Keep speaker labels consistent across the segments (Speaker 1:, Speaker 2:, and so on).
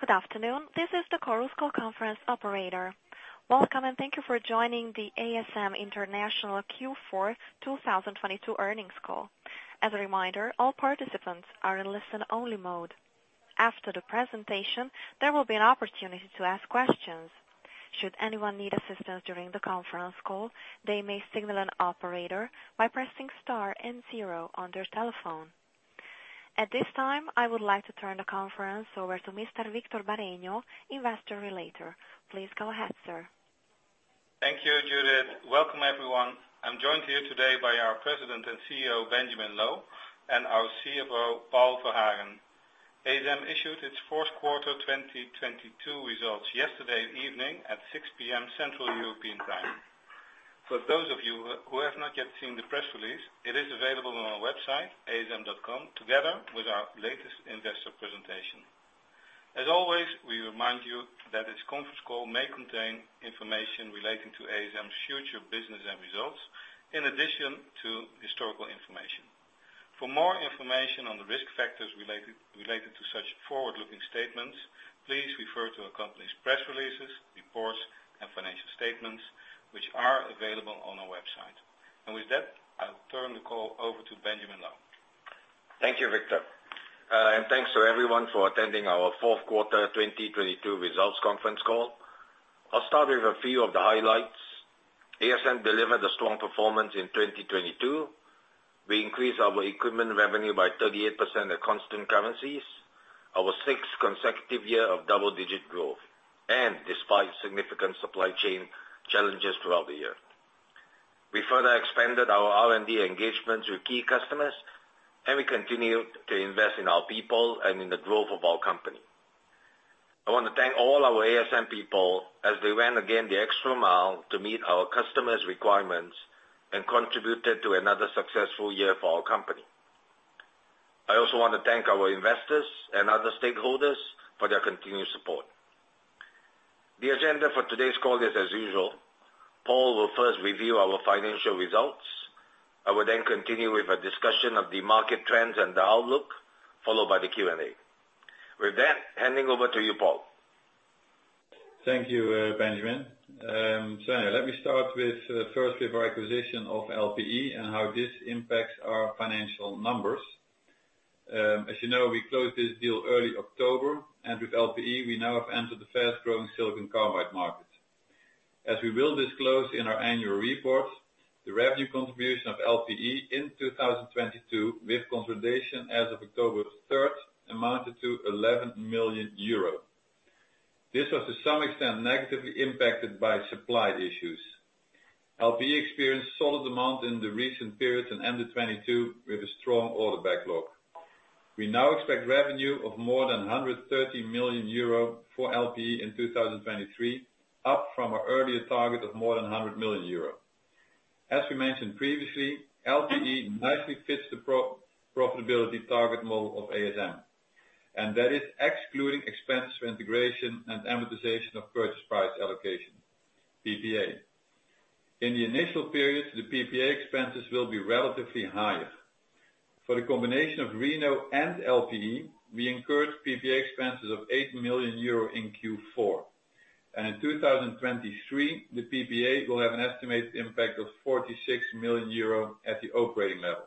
Speaker 1: Good afternoon. This is the Chorus Call conference operator. Welcome, thank you for joining the ASM International Q4 2022 earnings call. As a reminder, all participants are in listen-only mode. After the presentation, there will be an opportunity to ask questions. Should anyone need assistance during the conference call, they may signal an operator by pressing star and zero on their telephone. At this time, I would like to turn the conference over to Mr. Victor Bareño, Investor Relator. Please go ahead, sir.
Speaker 2: Thank you, Judith. Welcome everyone. I'm joined here today by our President and CEO, Benjamin Loh, and our CFO, Paul Verhagen. ASM issued its fourth quarter 2022 results yesterday evening at 6:00 P.M. Central European Time. For those of you who have not yet seen the press release, it is available on our website, asm.com, together with our latest investor presentation. As always, we remind you that this conference call may contain information relating to ASM's future business and results, in addition to historical information. For more information on the risk factors related to such forward-looking statements, please refer to our company's press releases, reports, and financial statements, which are available on our website. With that, I'll turn the call over to Benjamin Loh.
Speaker 3: Thank you, Victor. Thanks to everyone for attending our fourth quarter 2022 results conference call. I'll start with a few of the highlights. ASM delivered a strong performance in 2022. We increased our equipment revenue by 38% at constant currencies, our sixth consecutive year of double-digit growth, despite significant supply chain challenges throughout the year. We further expanded our R&D engagements with key customers, we continued to invest in our people and in the growth of our company. I want to thank all our ASM people as they went again the extra mile to meet our customers' requirements and contributed to another successful year for our company. I also want to thank our investors and other stakeholders for their continued support. The agenda for today's call is as usual. Paul will first review our financial results. I will then continue with a discussion of the market trends and the outlook, followed by the Q&A. With that, handing over to you, Paul.
Speaker 4: Thank you, Benjamin. Let me start with firstly our acquisition of LPE and how this impacts our financial numbers. As you know, we closed this deal early October, and with LPE, we now have entered the fast-growing silicon carbide market. As we will disclose in our annual report, the revenue contribution of LPE in 2022 with consolidation as of October 3rd amounted to 11 million euro. This was to some extent negatively impacted by supply issues. LPE experienced solid demand in the recent periods and ended 2022 with a strong order backlog. We now expect revenue of more than 130 million euro for LPE in 2023, up from our earlier target of more than 100 million euro. As we mentioned previously, LPE nicely fits the pro-profitability target model of ASM, and that is excluding expense for integration and amortization of purchase price allocation, PPA. In the initial periods, the PPA expenses will be relatively higher. For the combination of Reno and LPE, we incurred PPA expenses of 8 million euro in Q4. In 2023, the PPA will have an estimated impact of 46 million euro at the operating level.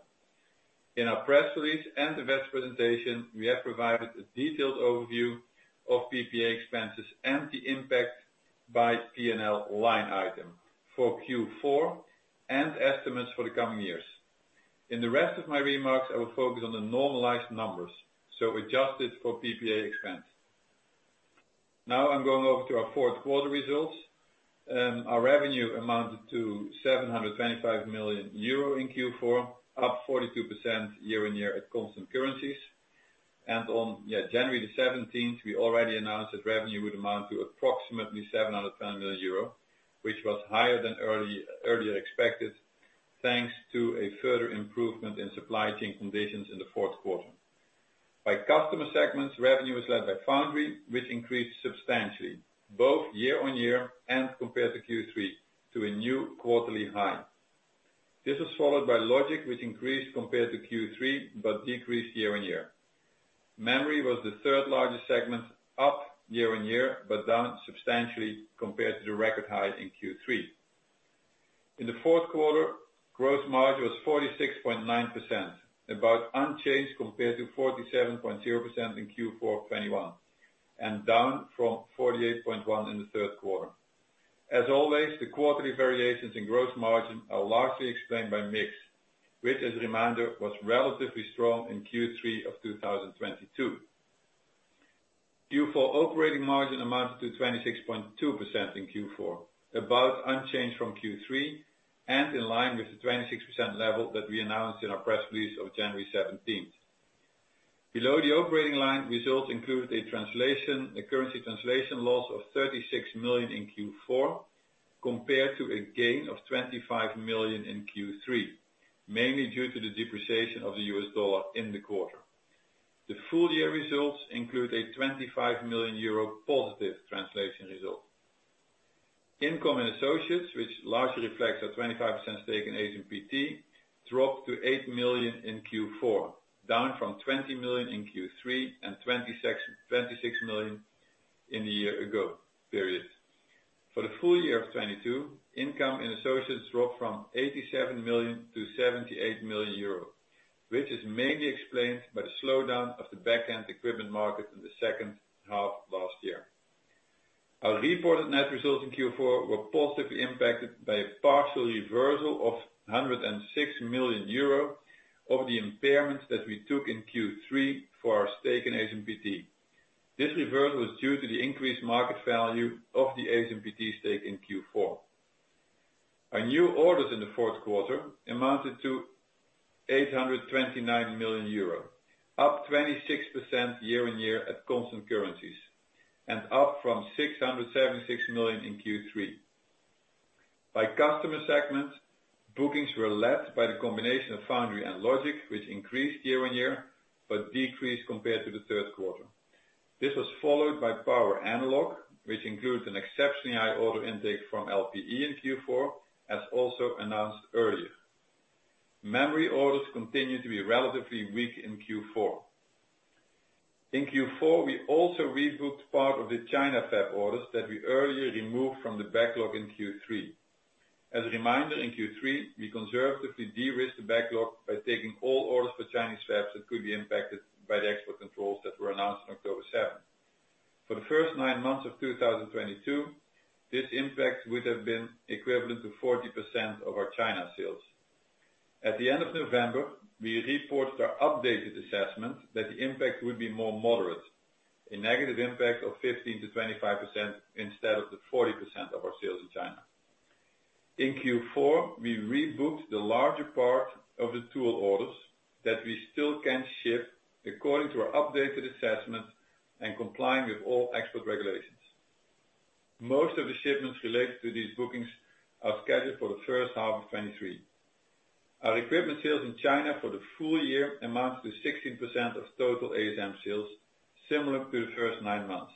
Speaker 4: In our press release and investor presentation, we have provided a detailed overview of PPA expenses and the impact by P&L line item for Q4 and estimates for the coming years. In the rest of my remarks, I will focus on the normalized numbers, so adjusted for PPA expense. I'm going over to our fourth quarter results. Our revenue amounted to 725 million euro in Q4, up 42% year-on-year at constant currencies. On January 17th, we already announced that revenue would amount to approximately 710 million euro, which was higher than earlier expected, thanks to a further improvement in supply chain conditions in the fourth quarter. By customer segments, revenue was led by Foundry, which increased substantially, both year-on-year and compared to Q3, to a new quarterly high. This was followed by Logic, which increased compared to Q3, but decreased year-on-year. Memory was the third largest segment, up year-on-year, but down substantially compared to the record high in Q3. In the fourth quarter, gross margin was 46.9%, about unchanged compared to 47.0% in Q4 2021, and down from 48.1% in the third quarter. As always, the quarterly variations in gross margin are largely explained by mix, which as a reminder, was relatively strong in Q3 of 2022. Q4 operating margin amounted to 26.2% in Q4, about unchanged from Q3 and in line with the 26% level that we announced in our press release of January 17th. Below the operating line, results include a currency translation loss of 36 million in Q4, compared to a gain of 25 million in Q3, mainly due to the depreciation of the US dollar in the quarter. The full year results include a 25 million euro positive translation result. Income and associates, which largely reflects our 25% stake in ASMPT, dropped to 8 million in Q4, down from 20 million in Q3 and 26 million in the year-ago period. For the full year of 2022, income and associates dropped from 87 million to 78 million euros, which is mainly explained by the slowdown of the back-end equipment market in the second half last year. Our reported net results in Q4 were positively impacted by a partial reversal of 106 million euro of the impairments that we took in Q3 for our stake in ASMPT. This reversal is due to the increased market value of the ASMPT stake in Q4. Our new orders in the fourth quarter amounted to 829 million euro, up 26% year-on-year at constant currencies and up from 676 million in Q3. By customer segment, bookings were led by the combination of foundry and logic, which increased year-on-year but decreased compared to the third quarter. This was followed by power analog, which includes an exceptionally high order intake from LPE in Q4, as also announced earlier. Memory orders continued to be relatively weak in Q4. In Q4, we also rebooked part of the China fab orders that we earlier removed from the backlog in Q3. As a reminder, in Q3, we conservatively de-risked the backlog by taking all orders for Chinese fabs that could be impacted by the export controls that were announced on October 7th. For the first nine months of 2022, this impact would have been equivalent to 40% of our China sales. At the end of November, we reported our updated assessment that the impact would be more moderate, a negative impact of 15%-25% instead of the 40% of our sales in China. In Q4, we rebooked the larger part of the tool orders that we still can ship according to our updated assessment and complying with all export regulations. Most of the shipments related to these bookings are scheduled for the first half of 2023. Our equipment sales in China for the full year amounts to 16% of total ASM sales, similar to the first nine months.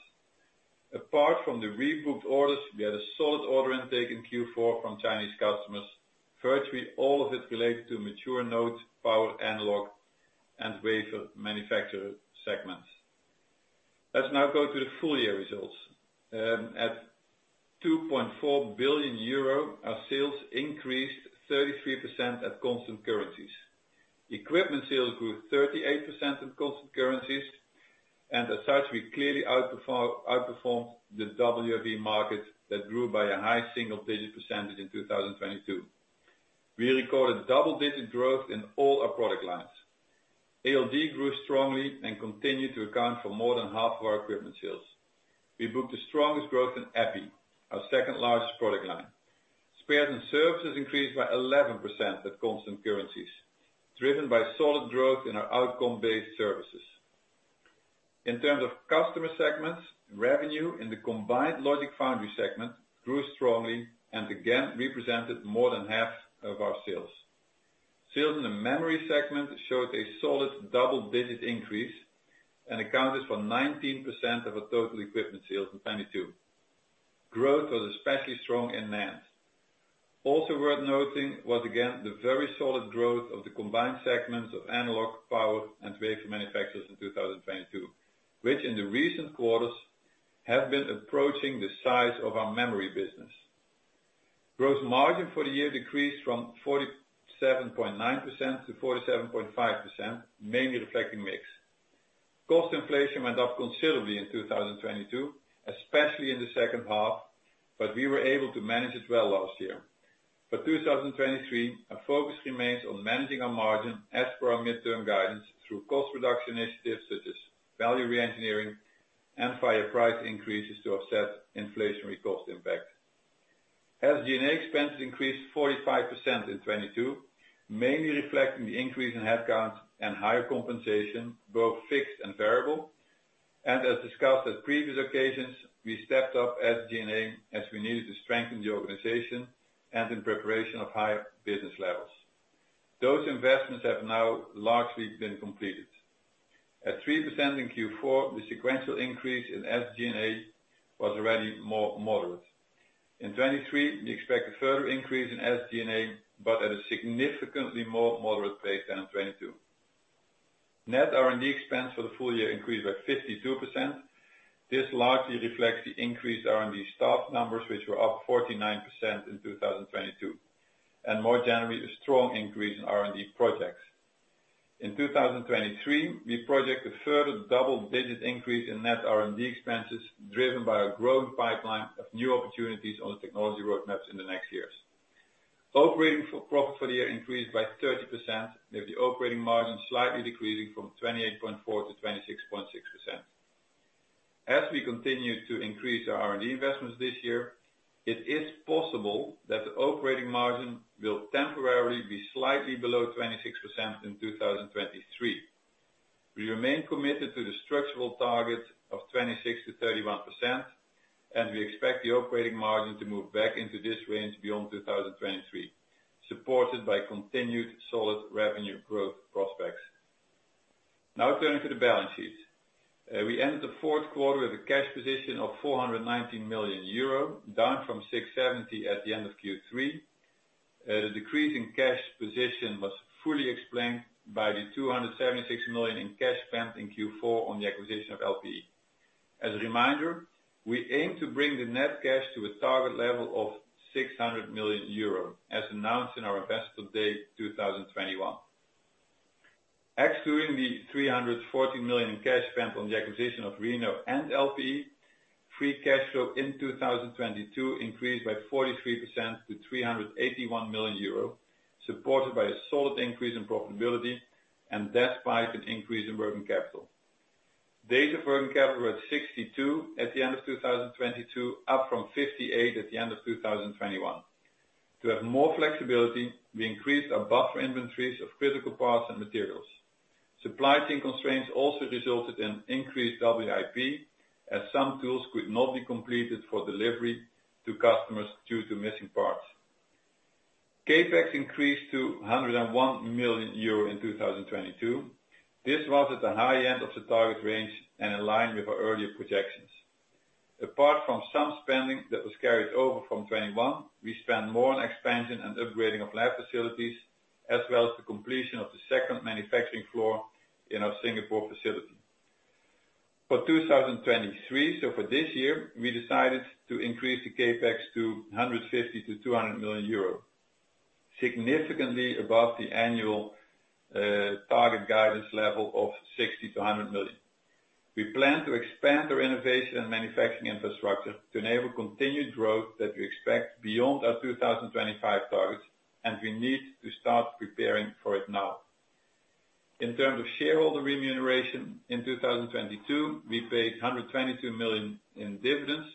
Speaker 4: Apart from the rebooked orders, we had a solid order intake in Q4 from Chinese customers, virtually all of it related to mature node, power analog, and wafer manufacturer segments. Let's now go to the full year results. At 2.4 billion euro, our sales increased 33% at constant currencies. Equipment sales grew 38% at constant currencies, as such, we clearly outperformed the WFE market that grew by a high single-digit percent in 2022. We recorded double-digit growth in all our product lines. ALD grew strongly and continued to account for more than half of our equipment sales. We booked the strongest growth in EPI, our second-largest product line. Spares and services increased by 11% at constant currencies, driven by solid growth in our outcome-based services. In terms of customer segments, revenue in the combined logic foundry segment grew strongly and again represented more than half of our sales. Sales in the memory segment showed a solid double-digit increase and accounted for 19% of our total equipment sales in 2022. Growth was especially strong in NAND. Worth noting was again the very solid growth of the combined segments of analog, power, and wafer manufacturers in 2022, which in the recent quarters have been approaching the size of our memory business. Gross margin for the year decreased from 47.9% to 47.5%, mainly reflecting mix. Cost inflation went up considerably in 2022, especially in the second half. We were able to manage it well last year. For 2023, our focus remains on managing our margin as per our midterm guidance through cost reduction initiatives such as value re-engineering and via price increases to offset inflationary cost impact. SG&A expenses increased 45% in 2022, mainly reflecting the increase in headcount and higher compensation, both fixed and variable. As discussed at previous occasions, we stepped up SG&A as we needed to strengthen the organization and in preparation of higher business levels. Those investments have now largely been completed. At 3% in Q4, the sequential increase in SG&A was already more moderate. In 2023, we expect a further increase in SG&A, but at a significantly more moderate pace than in 2022. Net R&D expense for the full year increased by 52%. This largely reflects the increased R&D staff numbers, which were up 49% in 2022, and more generally, a strong increase in R&D projects. In 2023, we project a further double-digit increase in net R&D expenses, driven by our growing pipeline of new opportunities on the technology roadmaps in the next years. Operating profit for the year increased by 30%, with the operating margin slightly decreasing from 28.4% to 26.6%. As we continue to increase our R&D investments this year, it is possible that the operating margin will temporarily be slightly below 26% in 2023. We remain committed to the structural target of 26%-31%, and we expect the operating margin to move back into this range beyond 2023, supported by continued solid revenue growth prospects. Turning to the balance sheet. We ended the fourth quarter with a cash position of 419 million euro, down from 670 million at the end of Q3. The decrease in cash position was fully explained by the 276 million in cash spent in Q4 on the acquisition of LPE. As a reminder, we aim to bring the net cash to a target level of 600 million euro, as announced in our Investor Day 2021. Excluding the 314 million in cash spent on the acquisition of Reno and LPE, free cash flow in 2022 increased by 43% to 381 million euro, supported by a solid increase in profitability and despite an increase in working capital. Days of working capital at 62 at the end of 2022, up from 58 at the end of 2021. To have more flexibility, we increased our buffer inventories of critical parts and materials. Supply chain constraints also resulted in increased WIP, as some tools could not be completed for delivery to customers due to missing parts. CapEx increased to 101 million euro in 2022. This was at the high end of the target range and in line with our earlier projections. Apart from some spending that was carried over from 2021, we spent more on expansion and upgrading of lab facilities as well as the completion of the second manufacturing floor in our Singapore facility. For 2023, for this year, we decided to increase the CapEx to 150 million-200 million euros, significantly above the annual target guidance level of 60 million-100 million. We plan to expand our innovation and manufacturing infrastructure to enable continued growth that we expect beyond our 2025 targets, and we need to start preparing for it now. In terms of shareholder remuneration, in 2022, we paid 122 million in dividends,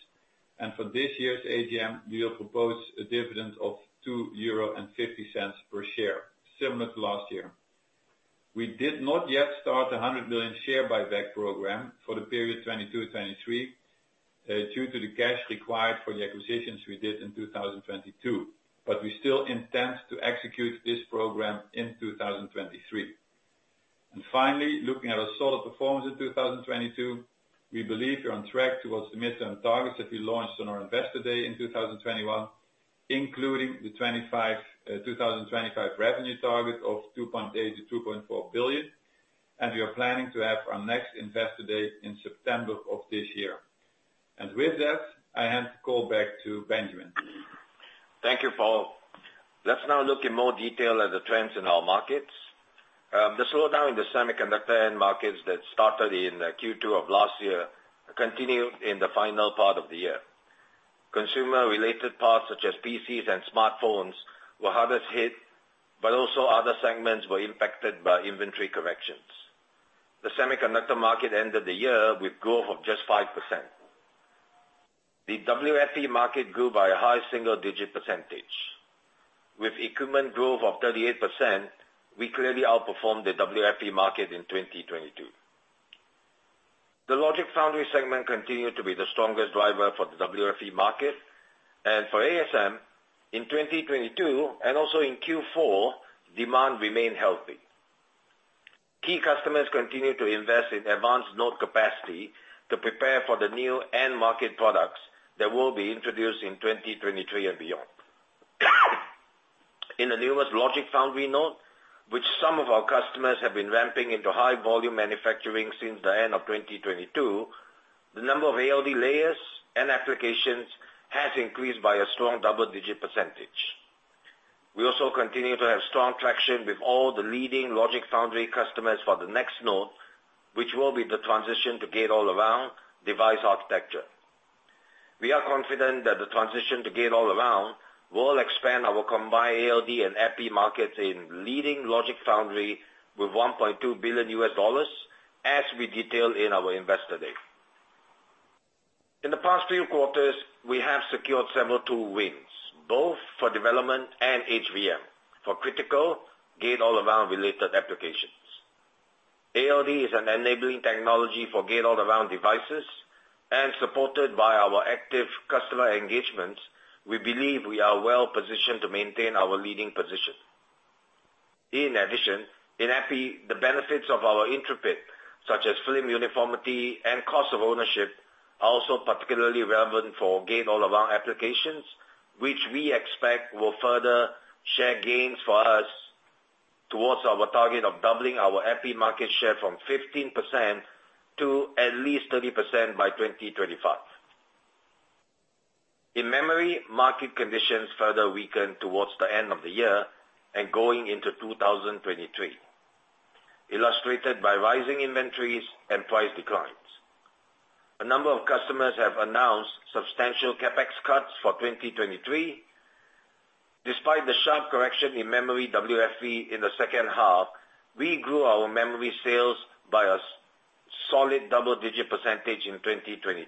Speaker 4: and for this year's AGM, we'll propose a dividend of 2.50 euro per share, similar to last year. We did not yet start a 100 million share buyback program for the period 2022/2023, due to the cash required for the acquisitions we did in 2022. We still intend to execute this program in 2023. Finally, looking at our solid performance in 2022, we believe we're on track towards the midterm targets that we launched on our Investor Day in 2021, including the 2025 revenue target of 2.8 billion-2.4 billion. We are planning to have our next Investor Day in September of this year. With that, I hand call back to Benjamin.
Speaker 3: Thank you, Paul. Let's now look in more detail at the trends in our markets. The slowdown in the semiconductor end markets that started in Q2 of last year continued in the final part of the year. Consumer-related parts such as PCs and smartphones were hardest hit, but also other segments were impacted by inventory corrections. The semiconductor market ended the year with growth of just 5%. The WFE market grew by a high single-digit percentage. With equipment growth of 38%, we clearly outperformed the WFE market in 2022. The logic foundry segment continued to be the strongest driver for the WFE market and for ASM in 2022 and also in Q4, demand remained healthy. Key customers continued to invest in advanced node capacity to prepare for the new end market products that will be introduced in 2023 and beyond. In the newest logic foundry node, which some of our customers have been ramping into high volume manufacturing since the end of 2022, the number of ALD layers and applications has increased by a strong double-digit percentage. We also continue to have strong traction with all the leading logic foundry customers for the next node, which will be the transition to Gate-All-Around device architecture. We are confident that the transition to Gate-All-Around will expand our combined ALD and EPI markets in leading logic foundry with $1.2 billion as we detailed in our Investor Day. In the past few quarters, we have secured several tool wins, both for development and HVM for critical Gate-All-Around related applications. ALD is an enabling technology for Gate-All-Around devices and supported by our active customer engagements, we believe we are well-positioned to maintain our leading position. In addition, in EPI, the benefits of our Intrepid, such as film uniformity and cost of ownership, are also particularly relevant for Gate-All-Around applications, which we expect will further share gains for us towards our target of doubling our EPI market share from 15% to at least 30% by 2025. In memory, market conditions further weakened towards the end of the year and going into 2023, illustrated by rising inventories and price declines. A number of customers have announced substantial CapEx cuts for 2023. Despite the sharp correction in memory WFE in the second half, we grew our memory sales by a solid double-digit percentage in 2022.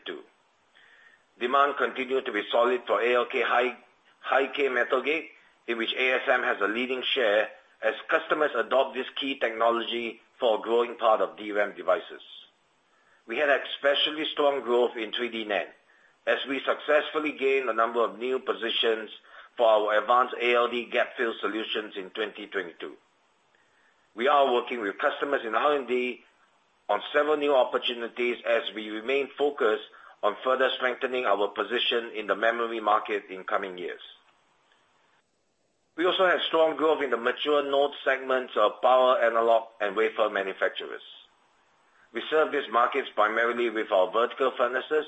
Speaker 3: Demand continued to be solid for ALD high-k, high-k metal gate, in which ASM has a leading share as customers adopt this key technology for a growing part of DRAM devices. We had especially strong growth in 3D NAND as we successfully gained a number of new positions for our advanced ALD gap-fill solutions in 2022. We are working with customers in R&D on several new opportunities as we remain focused on further strengthening our position in the memory market in coming years. We also had strong growth in the mature node segments of power analog and wafer manufacturers. We serve these markets primarily with our vertical furnaces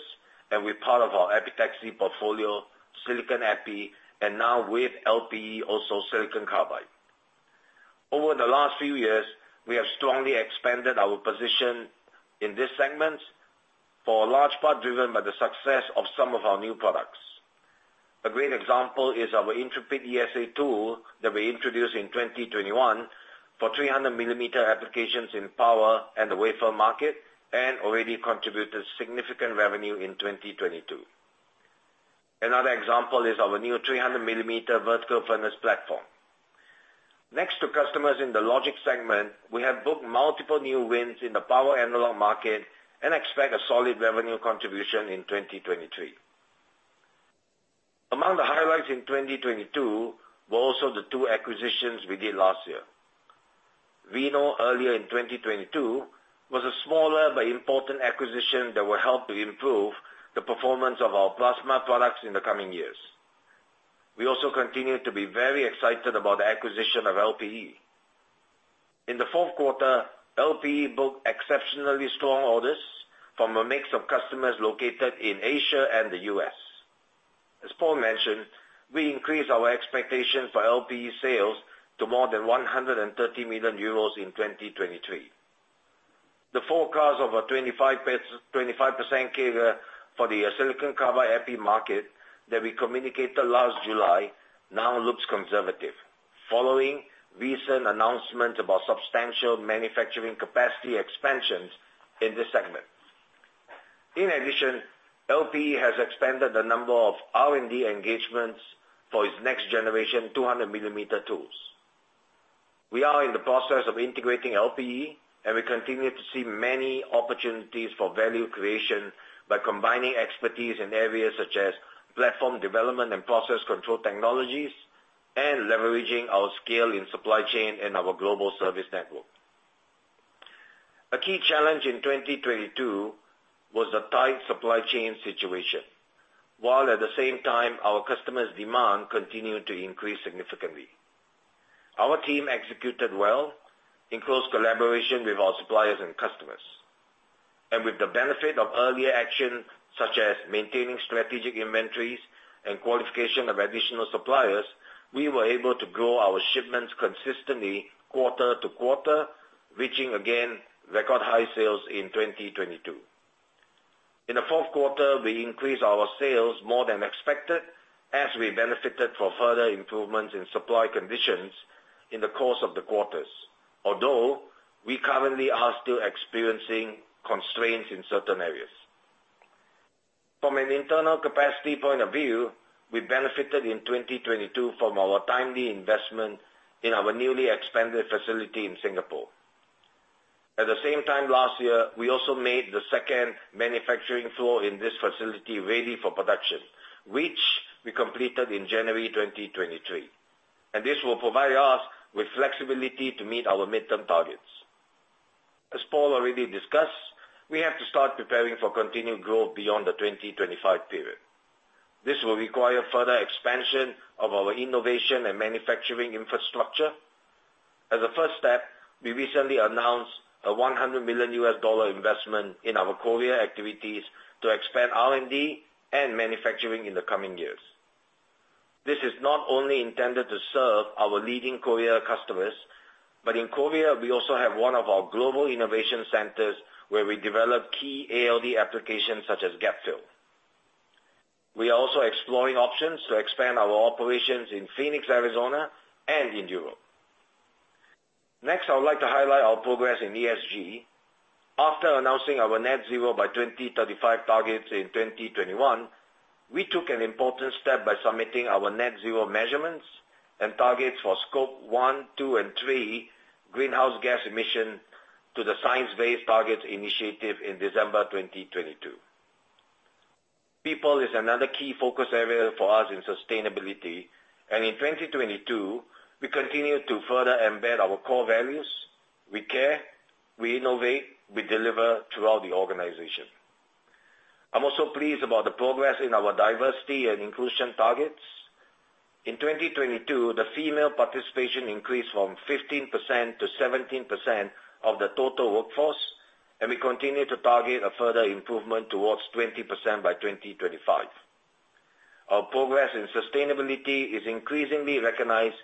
Speaker 3: and with part of our epitaxy portfolio, silicon epi, and now with LPE, also silicon carbide. Over the last few years, we have strongly expanded our position in these segments, for a large part driven by the success of some of our new products. A great example is our Intrepid ESA tool that we introduced in 2021 for 300 mm applications in power and the wafer market, already contributed significant revenue in 2022. Another example is our new 300 mm vertical furnace platform. Next to customers in the logic segment, we have booked multiple new wins in the power analog market and expect a solid revenue contribution in 2023. Among the highlights in 2022 were also the two acquisitions we did last year. Reno earlier in 2022 was a smaller but important acquisition that will help to improve the performance of our plasma products in the coming years. We also continue to be very excited about the acquisition of LPE. In the fourth quarter, LPE booked exceptionally strong orders from a mix of customers located in Asia and the U.S. As Paul mentioned, we increased our expectations for LPE sales to more than 130 million euros in 2023. The forecast of a 25% CAGR for the silicon carbide EPI market that we communicated last July now looks conservative following recent announcement about substantial manufacturing capacity expansions in this segment. In addition, LPE has expanded the number of R&D engagements for its next generation 200 mm tools. We are in the process of integrating LPE, and we continue to see many opportunities for value creation by combining expertise in areas such as platform development and process control technologies, and leveraging our scale in supply chain and our global service network. A key challenge in 2022 was the tight supply chain situation, while at the same time our customers' demand continued to increase significantly. Our team executed well in close collaboration with our suppliers and customers. With the benefit of earlier action, such as maintaining strategic inventories and qualification of additional suppliers, we were able to grow our shipments consistently quarter to quarter, reaching again record high sales in 2022. In the fourth quarter, we increased our sales more than expected as we benefited from further improvements in supply conditions in the course of the quarters. We currently are still experiencing constraints in certain areas. From an internal capacity point of view, we benefited in 2022 from our timely investment in our newly expanded facility in Singapore. At the same time last year, we also made the second manufacturing floor in this facility ready for production, which we completed in January 2023. This will provide us with flexibility to meet our midterm targets. As Paul already discussed, we have to start preparing for continued growth beyond the 2025 period. This will require further expansion of our innovation and manufacturing infrastructure. As a first step, we recently announced a $100 million investment in our Korea activities to expand R&D and manufacturing in the coming years. This is not only intended to serve our leading Korea customers. In Korea we also have one of our global innovation centers where we develop key ALD applications such as gap fill. We are also exploring options to expand our operations in Phoenix, Arizona and in Europe. Next, I would like to highlight our progress in ESG. After announcing our net zero by 2035 targets in 2021, we took an important step by submitting our net zero measurements and targets for scope one, two, and three greenhouse gas emission to the Science Based Targets initiative in December 2022. People is another key focus area for us in sustainability. In 2022, we continued to further embed our core values. We care, we innovate, we deliver throughout the organization. I'm also pleased about the progress in our diversity and inclusion targets. In 2022, the female participation increased from 15% to 17% of the total workforce. We continue to target a further improvement towards 20% by 2025. Our progress in sustainability is increasingly recognized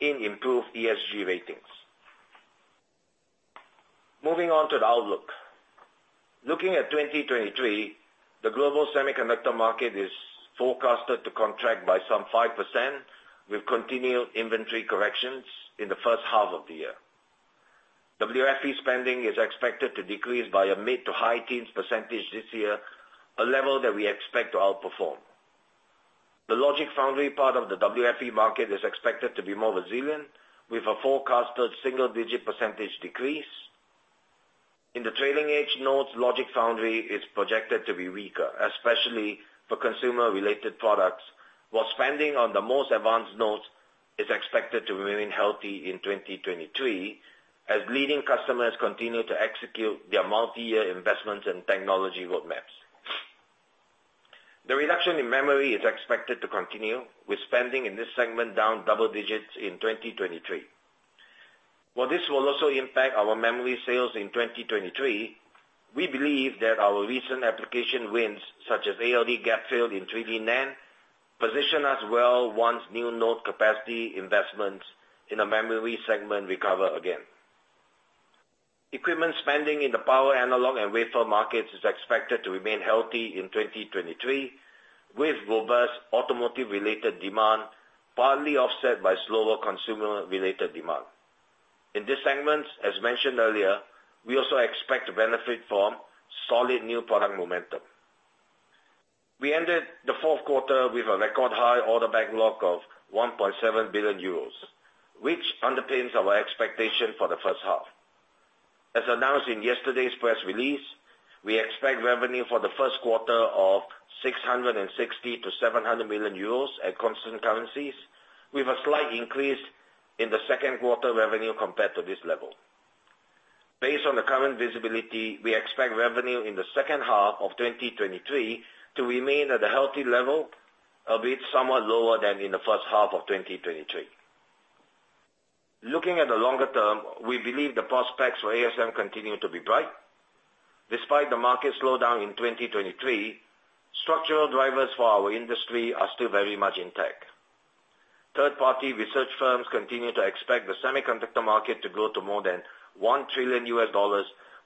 Speaker 3: in improved ESG ratings. Moving on to the outlook. Looking at 2023, the global semiconductor market is forecasted to contract by some 5% with continued inventory corrections in the first half of the year. WFE spending is expected to decrease by a mid to high teens % this year, a level that we expect to outperform. The logic foundry part of the WFE market is expected to be more resilient, with a forecasted single-digit percentage decrease. In the trailing edge nodes, logic foundry is projected to be weaker, especially for consumer-related products, while spending on the most advanced nodes is expected to remain healthy in 2023 as leading customers continue to execute their multi-year investments and technology roadmaps. The reduction in memory is expected to continue, with spending in this segment down double digits in 2023. While this will also impact our memory sales in 2023, we believe that our recent application wins, such as ALD gap-fill in 3D NAND, position us well once new node capacity investments in the memory segment recover again. Equipment spending in the power analog and wafer markets is expected to remain healthy in 2023, with robust automotive-related demand partly offset by slower consumer-related demand. In these segments, as mentioned earlier, we also expect to benefit from solid new product momentum. We ended the fourth quarter with a record high order backlog of 1.7 billion euros, which underpins our expectation for the first half. As announced in yesterday's press release, we expect revenue for the first quarter of 660 million-700 million euros at constant currencies, with a slight increase in the second quarter revenue compared to this level. Based on the current visibility, we expect revenue in the second half of 2023 to remain at a healthy level, albeit somewhat lower than in the first half of 2023. Looking at the longer term, we believe the prospects for ASM continue to be bright. Despite the market slowdown in 2023, structural drivers for our industry are still very much intact. Third-party research firms continue to expect the semiconductor market to grow to more than $1 trillion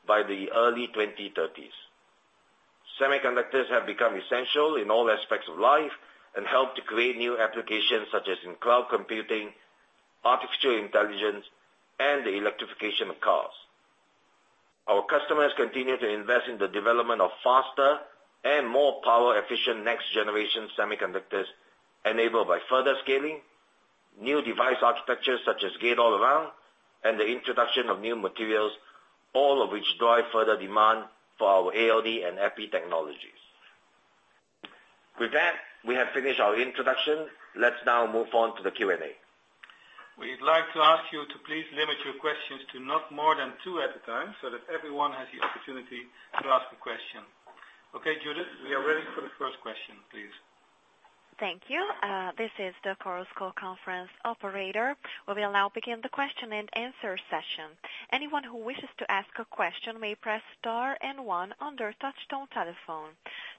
Speaker 3: by the early 2030s. Semiconductors have become essential in all aspects of life and help to create new applications, such as in cloud computing, artificial intelligence, and the electrification of cars. Our customers continue to invest in the development of faster and more power-efficient next-generation semiconductors enabled by further scaling, new device architectures such as Gate-All-Around, and the introduction of new materials, all of which drive further demand for our ALD and EPI technologies. With that, we have finished our introduction. Let's now move on to the Q&A.
Speaker 2: We'd like to ask you to please limit your questions to not more than two at a time so that everyone has the opportunity to ask a question. Okay, Judith, we are ready for the first question, please.
Speaker 1: Thank you. This is the Chorus Call conference operator. We will now begin the question-and-answer session. Anyone who wishes to ask a question may press star and one on their touchtone telephone.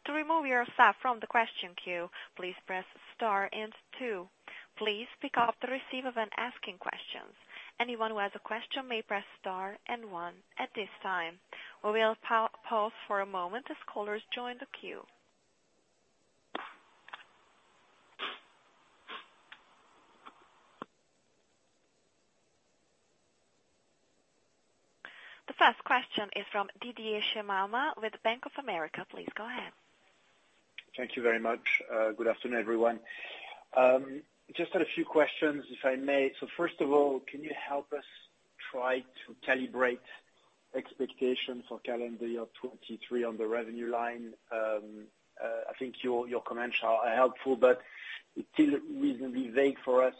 Speaker 1: To remove yourself from the question queue, please press star and two. Please pick up the receiver when asking questions. Anyone who has a question may press star and one at this time. We will pause for a moment as callers join the queue. The first question is from Didier Scemama with Bank of America. Please go ahead.
Speaker 5: Thank you very much. Good afternoon, everyone. Just had a few questions, if I may. First of all, can you help us try to calibrate expectations for calendar year 2023 on the revenue line? I think your comments are helpful, but it's still reasonably vague for us.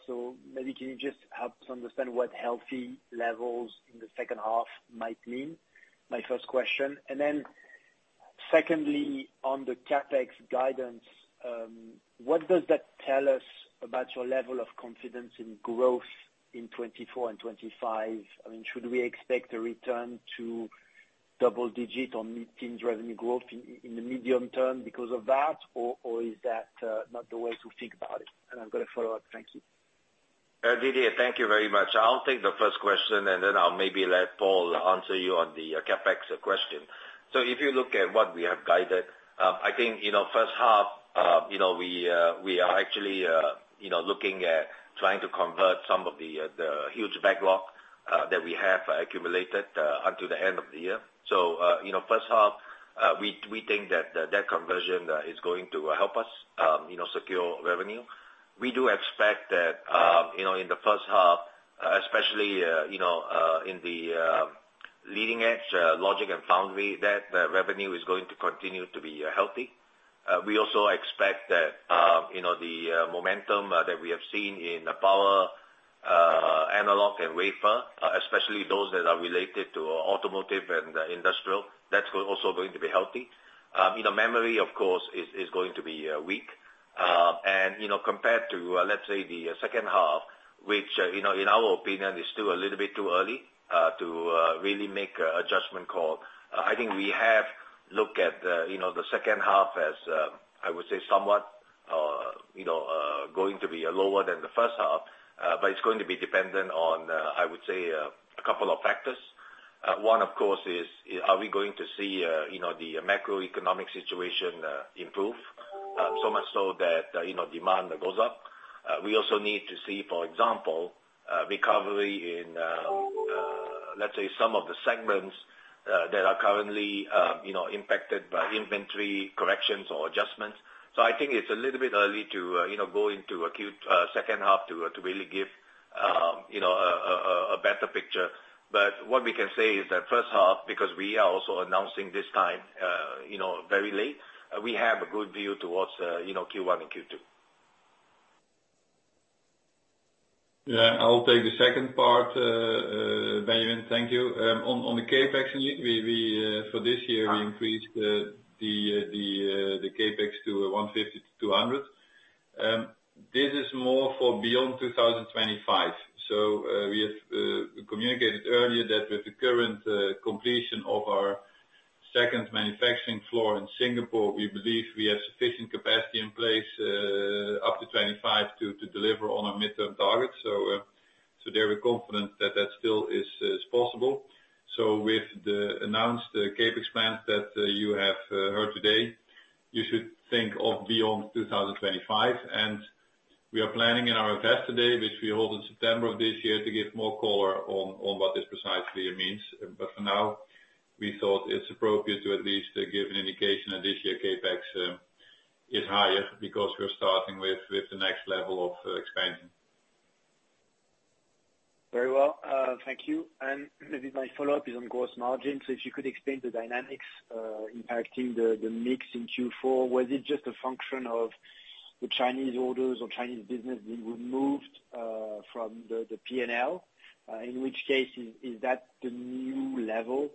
Speaker 5: Maybe can you just help us understand what healthy levels in the second half might mean? My first question. Then secondly, on the CapEx guidance, what does that tell us about your level of confidence in growth in 2024 and 2025? I mean, should we expect a return to double-digit on mid-teen revenue growth in the medium term because of that, or is that not the way to think about it? I've got a follow-up. Thank you.
Speaker 3: Didier, thank you very much. I'll take the first question. I'll maybe let Paul answer you on the CapEx question. If you look at what we have guided, I think, you know, first half, you know, we are actually, you know, looking at trying to convert some of the huge backlog that we have accumulated until the end of the year. First half, you know, we think that conversion is going to help us, you know, secure revenue. We do expect that, you know, in the first half, especially, you know, in the leading edge, logic and foundry, that the revenue is going to continue to be healthy. We also expect that, you know, the momentum that we have seen in the power, analog and wafer, especially those that are related to automotive and industrial, that's also going to be healthy. You know, memory of course is going to be weak. You know, compared to, let's say the second half, which, you know, in our opinion is still a little bit too early to really make a adjustment call. I think we have looked at, you know, the second half as, I would say, somewhat, you know, going to be lower than the first half, but it's going to be dependent on, I would say, a couple of factors. One of course is, are we going to see, you know, the macroeconomic situation, improve, so much so that, you know, demand goes up? We also need to see, for example, recovery in, let's say some of the segments, that are currently, you know, impacted by inventory corrections or adjustments. I think it's a little bit early to, you know, go into acute, second half to really give, you know, a better picture. What we can say is that first half, because we are also announcing this time, you know, very late, we have a good view towards, you know, Q1 and Q2.
Speaker 4: I'll take the second part, Benjamin, thank you. On the CapEx indeed, we for this year we increased the CapEx to 150 million-200 million. This is more for beyond 2025. We have communicated earlier that with the current completion of our second manufacturing floor in Singapore, we believe we have sufficient capacity in place up to 2025 to deliver on our midterm targets. There we're confident that that still is possible. With the announced CapEx plans that you have heard today, you should think of beyond 2025, and we are planning in our Investor Day, which we hold in September of this year to give more color on what this precisely means. For now, we thought it's appropriate to at least give an indication that this year CapEx is higher because we're starting with the next level of expansion.
Speaker 5: Very well. Thank you. Maybe my follow-up is on gross margin. If you could explain the dynamics impacting the mix in Q4. Was it just a function of the Chinese orders or Chinese business being removed from the P&L? In which case is that the new level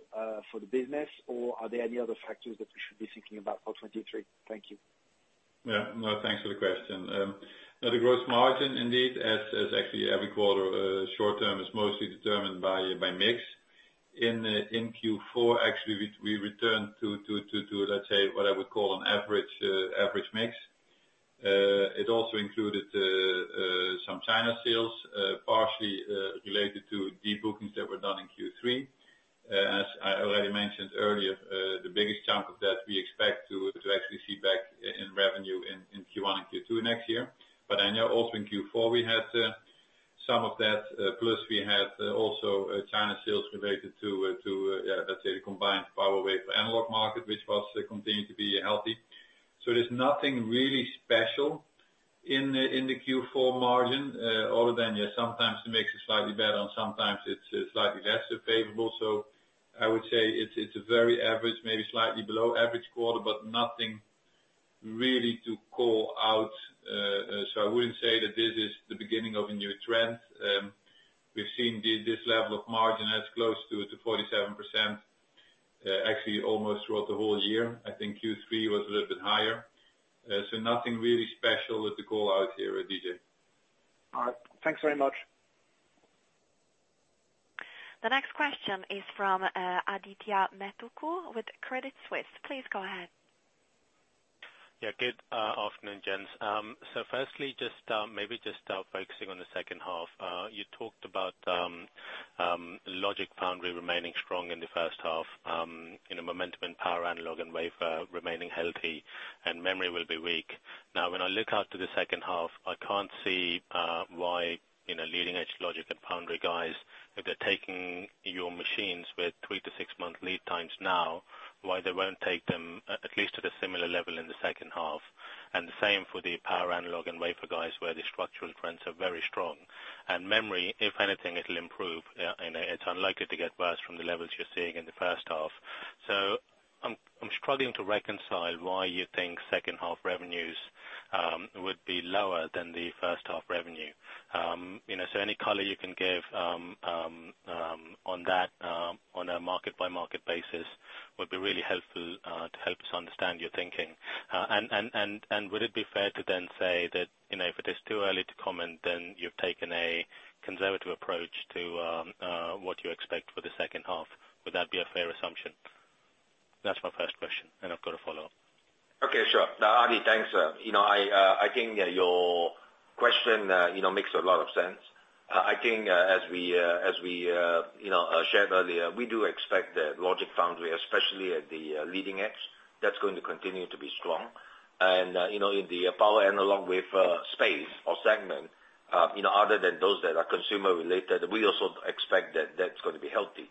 Speaker 5: for the business, or are there any other factors that we should be thinking about for 2023? Thank you.
Speaker 4: Yeah, no, thanks for the question. Now the gross margin indeed as actually every quarter, short-term is mostly determined by mix. In Q4, actually we returned to, let's say, what I would call an average mix. It also included some China sales, partially related to debookings that were done in Q3. As I already mentioned earlier, the biggest chunk of that we expect to actually see back in revenue in Q1 and Q2 next year. I know also in Q4 we had some of that, plus we had also China sales related to, let's say, the combined power wave analog market, which was continuing to be healthy. There's nothing really special in the Q4 margin, other than, yeah, sometimes the mix is slightly better and sometimes it's slightly less favorable. I would say it's a very average, maybe slightly below average quarter, but nothing really to call out. I wouldn't say that this is the beginning of a new trend. We've seen this level of margin as close to 47%, actually almost throughout the whole year. I think Q3 was a little bit higher. Nothing really special with the call out here, DJ.
Speaker 5: All right. Thanks very much.
Speaker 1: The next question is from, Adithya Metuku with Credit Suisse. Please go ahead.
Speaker 6: Yeah. Good afternoon, gents. Firstly, just, maybe just, focusing on the second half. You talked about, logic foundry remaining strong in the first half, you know, momentum and power analog and wafer remaining healthy and memory will be weak. Now, when I look out to the second half, I can't see, why, you know, leading edge logic and foundry guys, if they're taking your machines with three to six months lead times now, why they won't take them at least at a similar level in the second half. The same for the power analog and wafer guys, where the structural trends are very strong. Memory, if anything, it'll improve. And it's unlikely to get worse from the levels you're seeing in the first half. I'm struggling to reconcile why you think second half revenues would be lower than the first half revenue. You know, any color you can give on that on a market by market basis would be really helpful to help us understand your thinking. Would it be fair to then say that, you know, if it is too early to comment, then you've taken a conservative approach to what you expect for the second half? Would that be a fair assumption? That's my first question, and I've got a follow-up.
Speaker 3: Okay, sure. Now, Adi, thanks. You know, I think your question, you know, makes a lot of sense. I think, as we, as we, you know, shared earlier, we do expect that logic foundry, especially at the leading edge, that's going to continue to be strong. You know, in the power analog with space or segment, you know, other than those that are consumer related, we also expect that that's going to be healthy.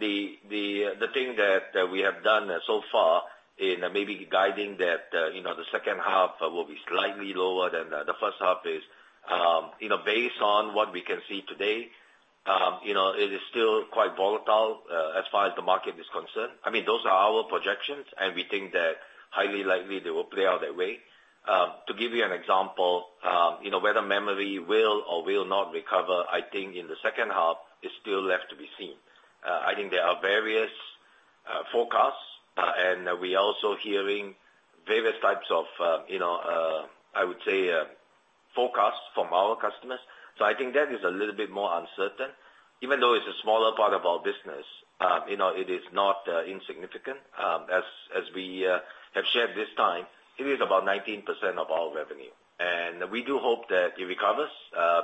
Speaker 3: The thing that we have done so far in maybe guiding that, you know, the second half will be slightly lower than the first half is, you know, based on what we can see today, it is still quite volatile, as far as the market is concerned. I mean, those are our projections. We think that highly likely they will play out that way. To give you an example, you know, whether memory will or will not recover, I think in the second half is still left to be seen. I think there are various forecasts, and we're also hearing various types of, you know, I would say, forecasts from our customers. I think that is a little bit more uncertain. Even though it's a smaller part of our business, you know, it is not insignificant. As we have shared this time, it is about 19% of our revenue. We do hope that it recovers,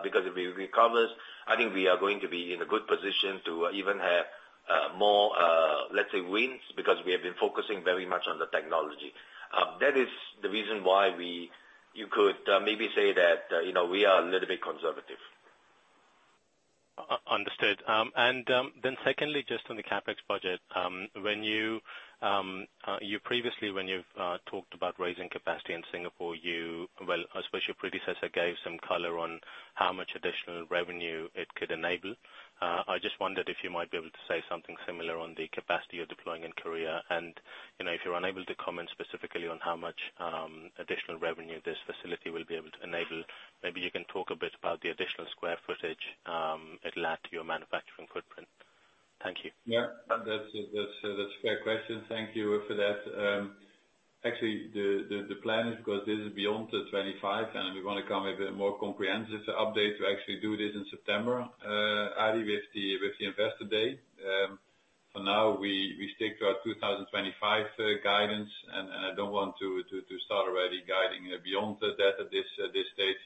Speaker 3: because if it recovers, I think we are going to be in a good position to even have more, let's say wins, because we have been focusing very much on the technology. That is the reason why you could, maybe say that, you know, we are a little bit conservative.
Speaker 6: Understood. Secondly, just on the CapEx budget, when you previously, when you've talked about raising capacity in Singapore, Well, I suppose your predecessor gave some color on how much additional revenue it could enable. I just wondered if you might be able to say something similar on the capacity you're deploying in Korea. You know, if you're unable to comment specifically on how much additional revenue this facility will be able to enable, maybe you can talk a bit about the additional square footage it'll add to your manufacturing footprint. Thank you.
Speaker 4: Yeah. That's, that's a fair question. Thank you for that. Actually, the plan is, because this is beyond the 2025, and we want to come with a more comprehensive update to actually do this in September, Adi, with the Investor Day. For now, we stick to our 2025 guidance. I don't want to start already guiding beyond that at this stage.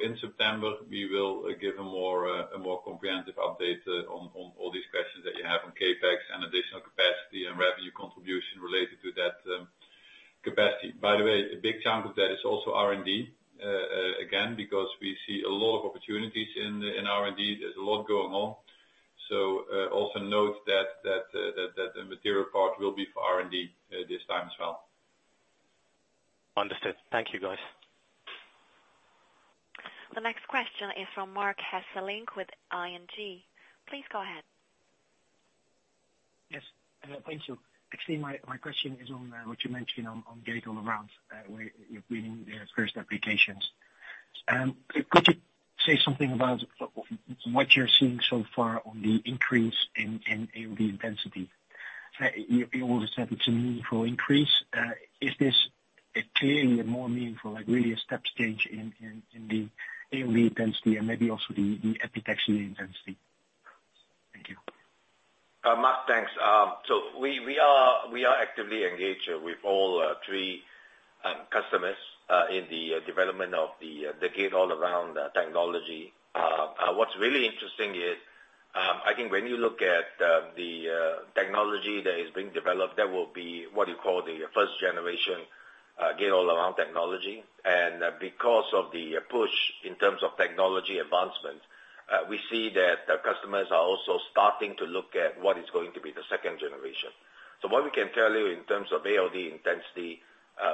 Speaker 4: In September, we will give a more comprehensive update on all these questions that you have on CapEx and additional capacity and revenue contribution related to that capacity. By the way, a big chunk of that is also R&D again, because we see a lot of opportunities in R&D. There's a lot going on. Also note that the material part will be for R&D this time as well.
Speaker 6: Understood. Thank you, guys.
Speaker 1: The next question is from Marc Hesselink with ING. Please go ahead.
Speaker 7: Yes. Thank you. Actually, my question is on what you mentioned on Gate-All-Around, where you're winning the first applications. Could you say something about what you're seeing so far on the increase in ALD intensity? You already said it's a meaningful increase. Is this clearly a more meaningful, like really a step change in the ALD intensity and maybe also the epitaxy intensity? Thank you.
Speaker 3: Marc, thanks. We are actively engaged with all three customers in the development of the Gate-All-Around technology. What's really interesting is, I think when you look at the technology that is being developed, that will be what you call the first generation Gate-All-Around technology. Because of the push in terms of technology advancement, we see that customers are also starting to look at what is going to be the second generation. What we can tell you in terms of ALD intensity,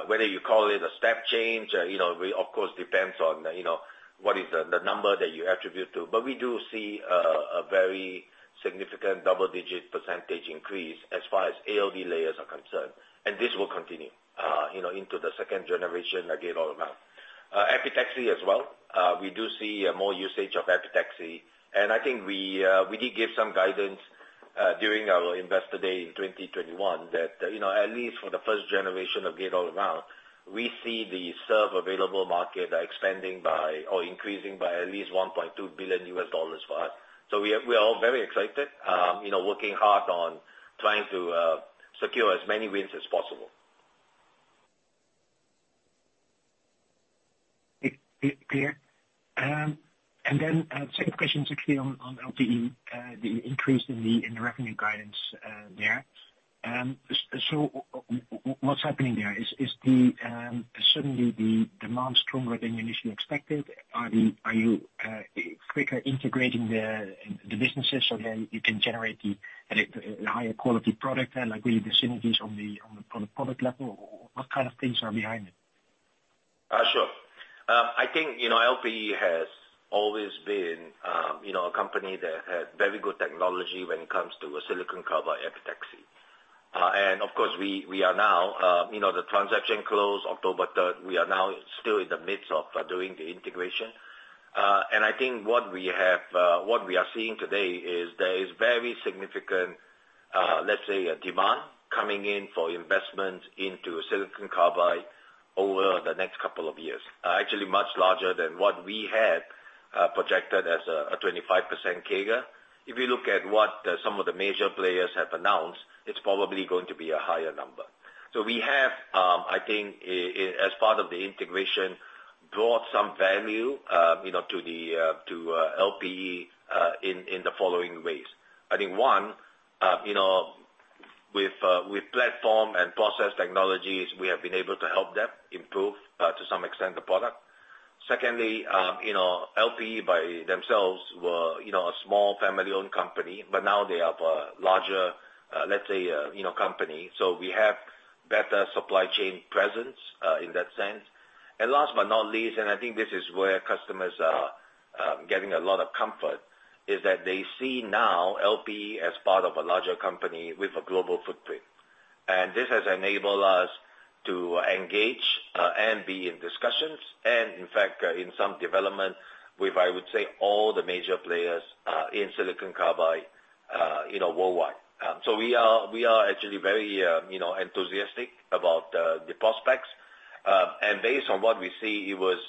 Speaker 3: whether you call it a step change, you know, of course, depends on, you know, what is the number that you attribute to. We do see a very significant double-digit percentage increase as far as ALD layers are concerned. This will continue, you know, into the second generation of Gate-All-Around. Epitaxy as well, we do see more usage of epitaxy, and I think we did give some guidance, during our Investor Day in 2021, that, you know, at least for the first generation of Gate-All-Around, we see the serve available market expanding by or increasing by at least $1.2 billion for us. We are, we are all very excited, you know, working hard on trying to, secure as many wins as possible.
Speaker 7: Clear. Second question is actually on LPE, the increase in the revenue guidance there. What's happening there? Is the suddenly the demand stronger than you initially expected? Are you quicker integrating the businesses so that you can generate the higher quality product and like really the synergies on the product level? What kind of things are behind it?
Speaker 3: Sure. I think, you know, LPE has always been, you know, a company that had very good technology when it comes to a silicon carbide epitaxy. Of course, we are now, you know, the transaction closed October third. We are now still in the midst of doing the integration. I think what we have, what we are seeing today is there is very significant, let's say a demand coming in for investment into silicon carbide over the next couple of years. Actually much larger than what we had projected as a 25% CAGR. If you look at what some of the major players have announced, it's probably going to be a higher number. We have, I think, as part of the integration, brought some value, you know, to the, to LPE, in the following ways. I think one, you know, with platform and process technologies, we have been able to help them improve, to some extent the product. Secondly, you know, LPE by themselves were, you know, a small family-owned company, but now they have a larger, let's say, you know, company. We have better supply chain presence, in that sense. Last but not least, and I think this is where customers are getting a lot of comfort, is that they see now LPE as part of a larger company with a global footprint. This has enabled us to engage and be in discussions and in fact, in some development with, I would say, all the major players in silicon carbide, you know, worldwide. We are actually very, you know, enthusiastic about the prospects. Based on what we see, it was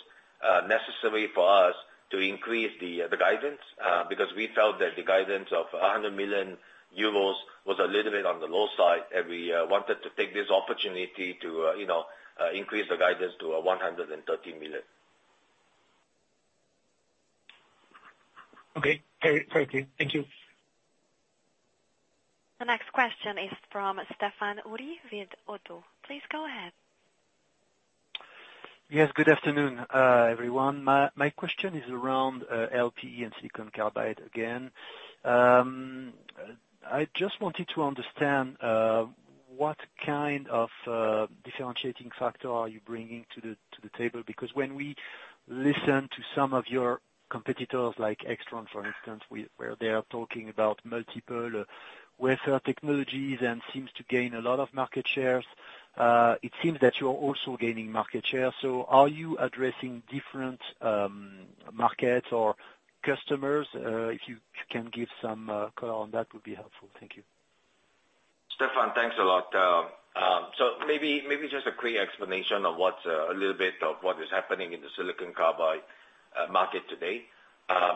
Speaker 3: necessary for us to increase the guidance, because we felt that the guidance of 100 million euros was a little bit on the low side, and we wanted to take this opportunity to, you know, increase the guidance to 130 million.
Speaker 7: Okay. Very clear. Thank you.
Speaker 1: The next question is from Stephane Houri with ODDO. Please go ahead.
Speaker 8: Yes, good afternoon, everyone. My question is around LPE and silicon carbide again. I just wanted to understand what kind of differentiating factor are you bringing to the table? When we listen to some of your competitors, like Aixtron for instance, where they are talking about multiple wafer technologies and seems to gain a lot of market shares. It seems that you're also gaining market share, so are you addressing different markets or customers? If you can give some color on that would be helpful. Thank you.
Speaker 3: Stephane, thanks a lot. Maybe just a quick explanation of what's a little bit of what is happening in the silicon carbide market today.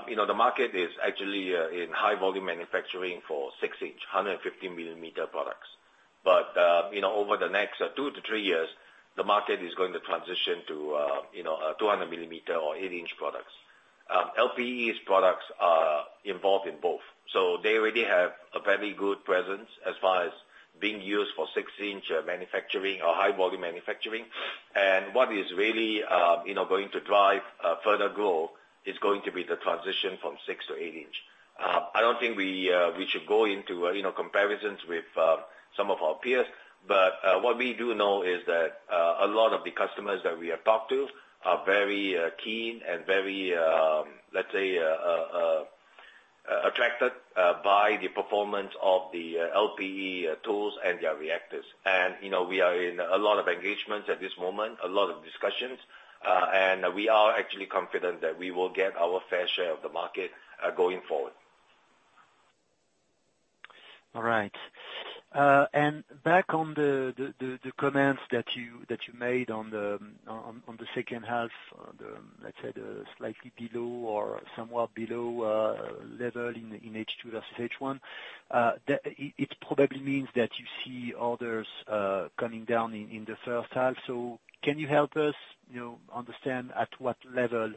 Speaker 3: You know, the market is actually in high volume manufacturing for 6-inch, 150 mm products. You know, over the next two to three years, the market is going to transition to, you know, 200 mm or 8-inch products. LPE's products are involved in both, so they already have a very good presence as far as being used for 6-inch manufacturing or high volume manufacturing. What is really, you know, going to drive further growth is going to be the transition from 6 to 8 inch. I don't think we should go into, you know, comparisons with some of our peers, but what we do know is that a lot of the customers that we have talked to are very keen and very, let's say, attracted by the performance of the LPE tools and their reactors. You know, we are in a lot of engagements at this moment, a lot of discussions, and we are actually confident that we will get our fair share of the market going forward.
Speaker 8: All right. Back on the comments that you, that you made on the second half, on the, let's say, the slightly below or somewhat below, level in H2 versus H1. It probably means that you see others, coming down in the first half. Can you help us, you know, understand at what level,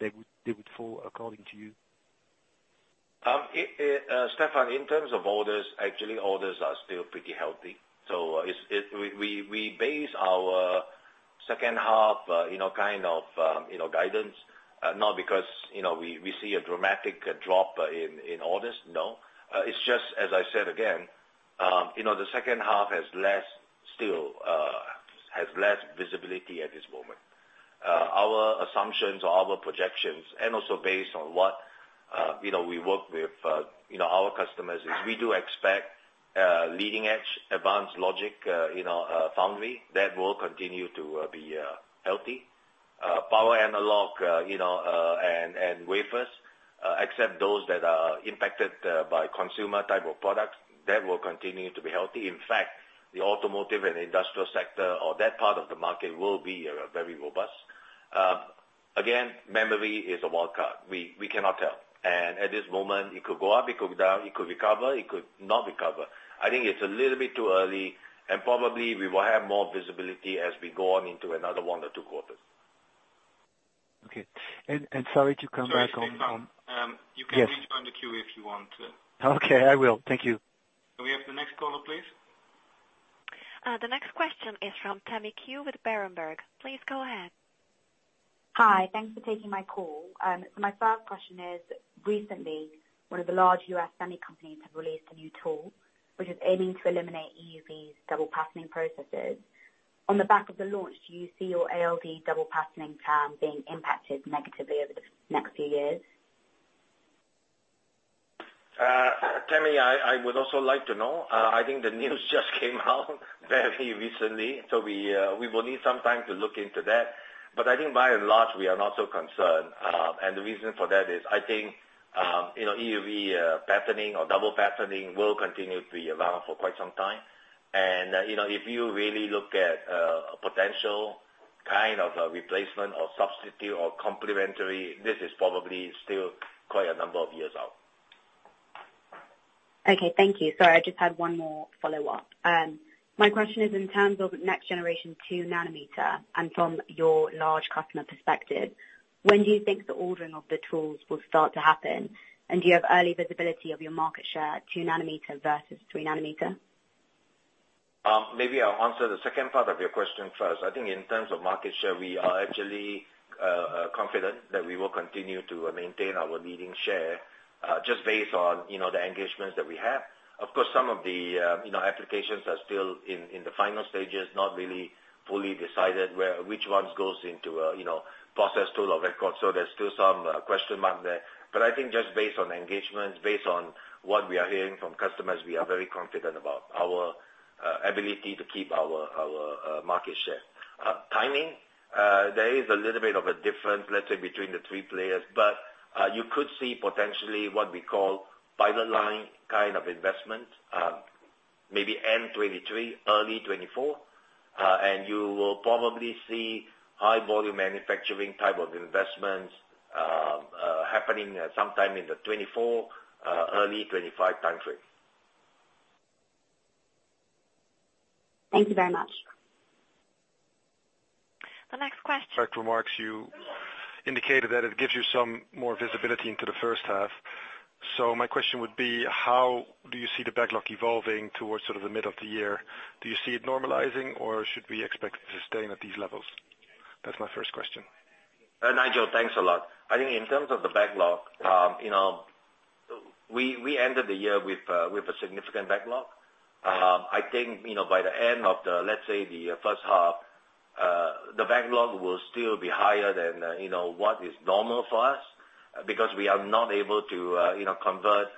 Speaker 8: they would fall according to you?
Speaker 3: Stephane, in terms of orders, actually, orders are still pretty healthy. It's. We base our second half, you know, kind of, you know, guidance, not because, you know, we see a dramatic drop in orders. No. It's just as I said again, you know, the second half has less visibility at this moment. Our assumptions or our projections and also based on what, you know, we work with, you know, our customers is we do expect leading edge advanced logic, you know, foundry that will continue to be healthy. Power analog, you know, and wafers, except those that are impacted by consumer type of products that will continue to be healthy. In fact, the automotive and industrial sector or that part of the market will be very robust. Again, memory is a wild card. We cannot tell. At this moment it could go up, it could go down, it could recover, it could not recover. I think it's a little bit too early and probably we will have more visibility as we go on into another one or two quarters.
Speaker 8: Okay. Sorry to come back on-.
Speaker 2: Sorry, Stephane.
Speaker 8: Yes.
Speaker 2: You can rejoin the queue if you want to.
Speaker 8: Okay, I will. Thank you.
Speaker 2: Can we have the next caller, please?
Speaker 1: The next question is from Tammy Qiu with Berenberg. Please go ahead.
Speaker 9: Hi. Thanks for taking my call. My first question is, recently one of the large U.S. semi companies have released a new tool which is aiming to eliminate EUV's double patterning processes. On the back of the launch, do you see your ALD double patterning plan being impacted negatively over the next few years?
Speaker 3: Tammy, I would also like to know. I think the news just came out very recently, so we will need some time to look into that. I think by and large we are not so concerned. The reason for that is I think, you know, EUV patterning or double patterning will continue to be around for quite some time. You know, if you really look at potential kind of a replacement or substitute or complementary, this is probably still quite a number of years out.
Speaker 9: Okay. Thank you. Sorry, I just had one more follow-up. My question is in terms of next generation 2 nm from your large customer perspective, when do you think the ordering of the tools will start to happen? Do you have early visibility of your market share at 2 nm versus 3 nm?
Speaker 3: Maybe I'll answer the second part of your question first. I think in terms of market share, we are actually confident that we will continue to maintain our leading share, just based on, you know, the engagements that we have. Of course, some of the, you know, applications are still in the final stages, not really fully decided where which ones goes into, you know, process tool of record. There's still some question mark there. I think just based on engagements, based on what we are hearing from customers, we are very confident about our ability to keep our market share. Timing, there is a little bit of a difference, let's say between the three players, but you could see potentially what we call pipeline kind of investment, maybe end 2023, early 2024. You will probably see high volume manufacturing type of investments, happening sometime in the 2024, early 2025 time frame.
Speaker 9: Thank you very much.
Speaker 10: Direct remarks, you indicated that it gives you some more visibility into the first half. My question would be, how do you see the backlog evolving towards sort of the middle of the year? Do you see it normalizing, or should we expect it to sustain at these levels? That's my first question.
Speaker 3: Nigel, thanks a lot. I think in terms of the backlog, you know, we ended the year with a significant backlog. I think, you know, by the end of the, let's say, the first half, the backlog will still be higher than, you know, what is normal for us because we are not able to, you know, convert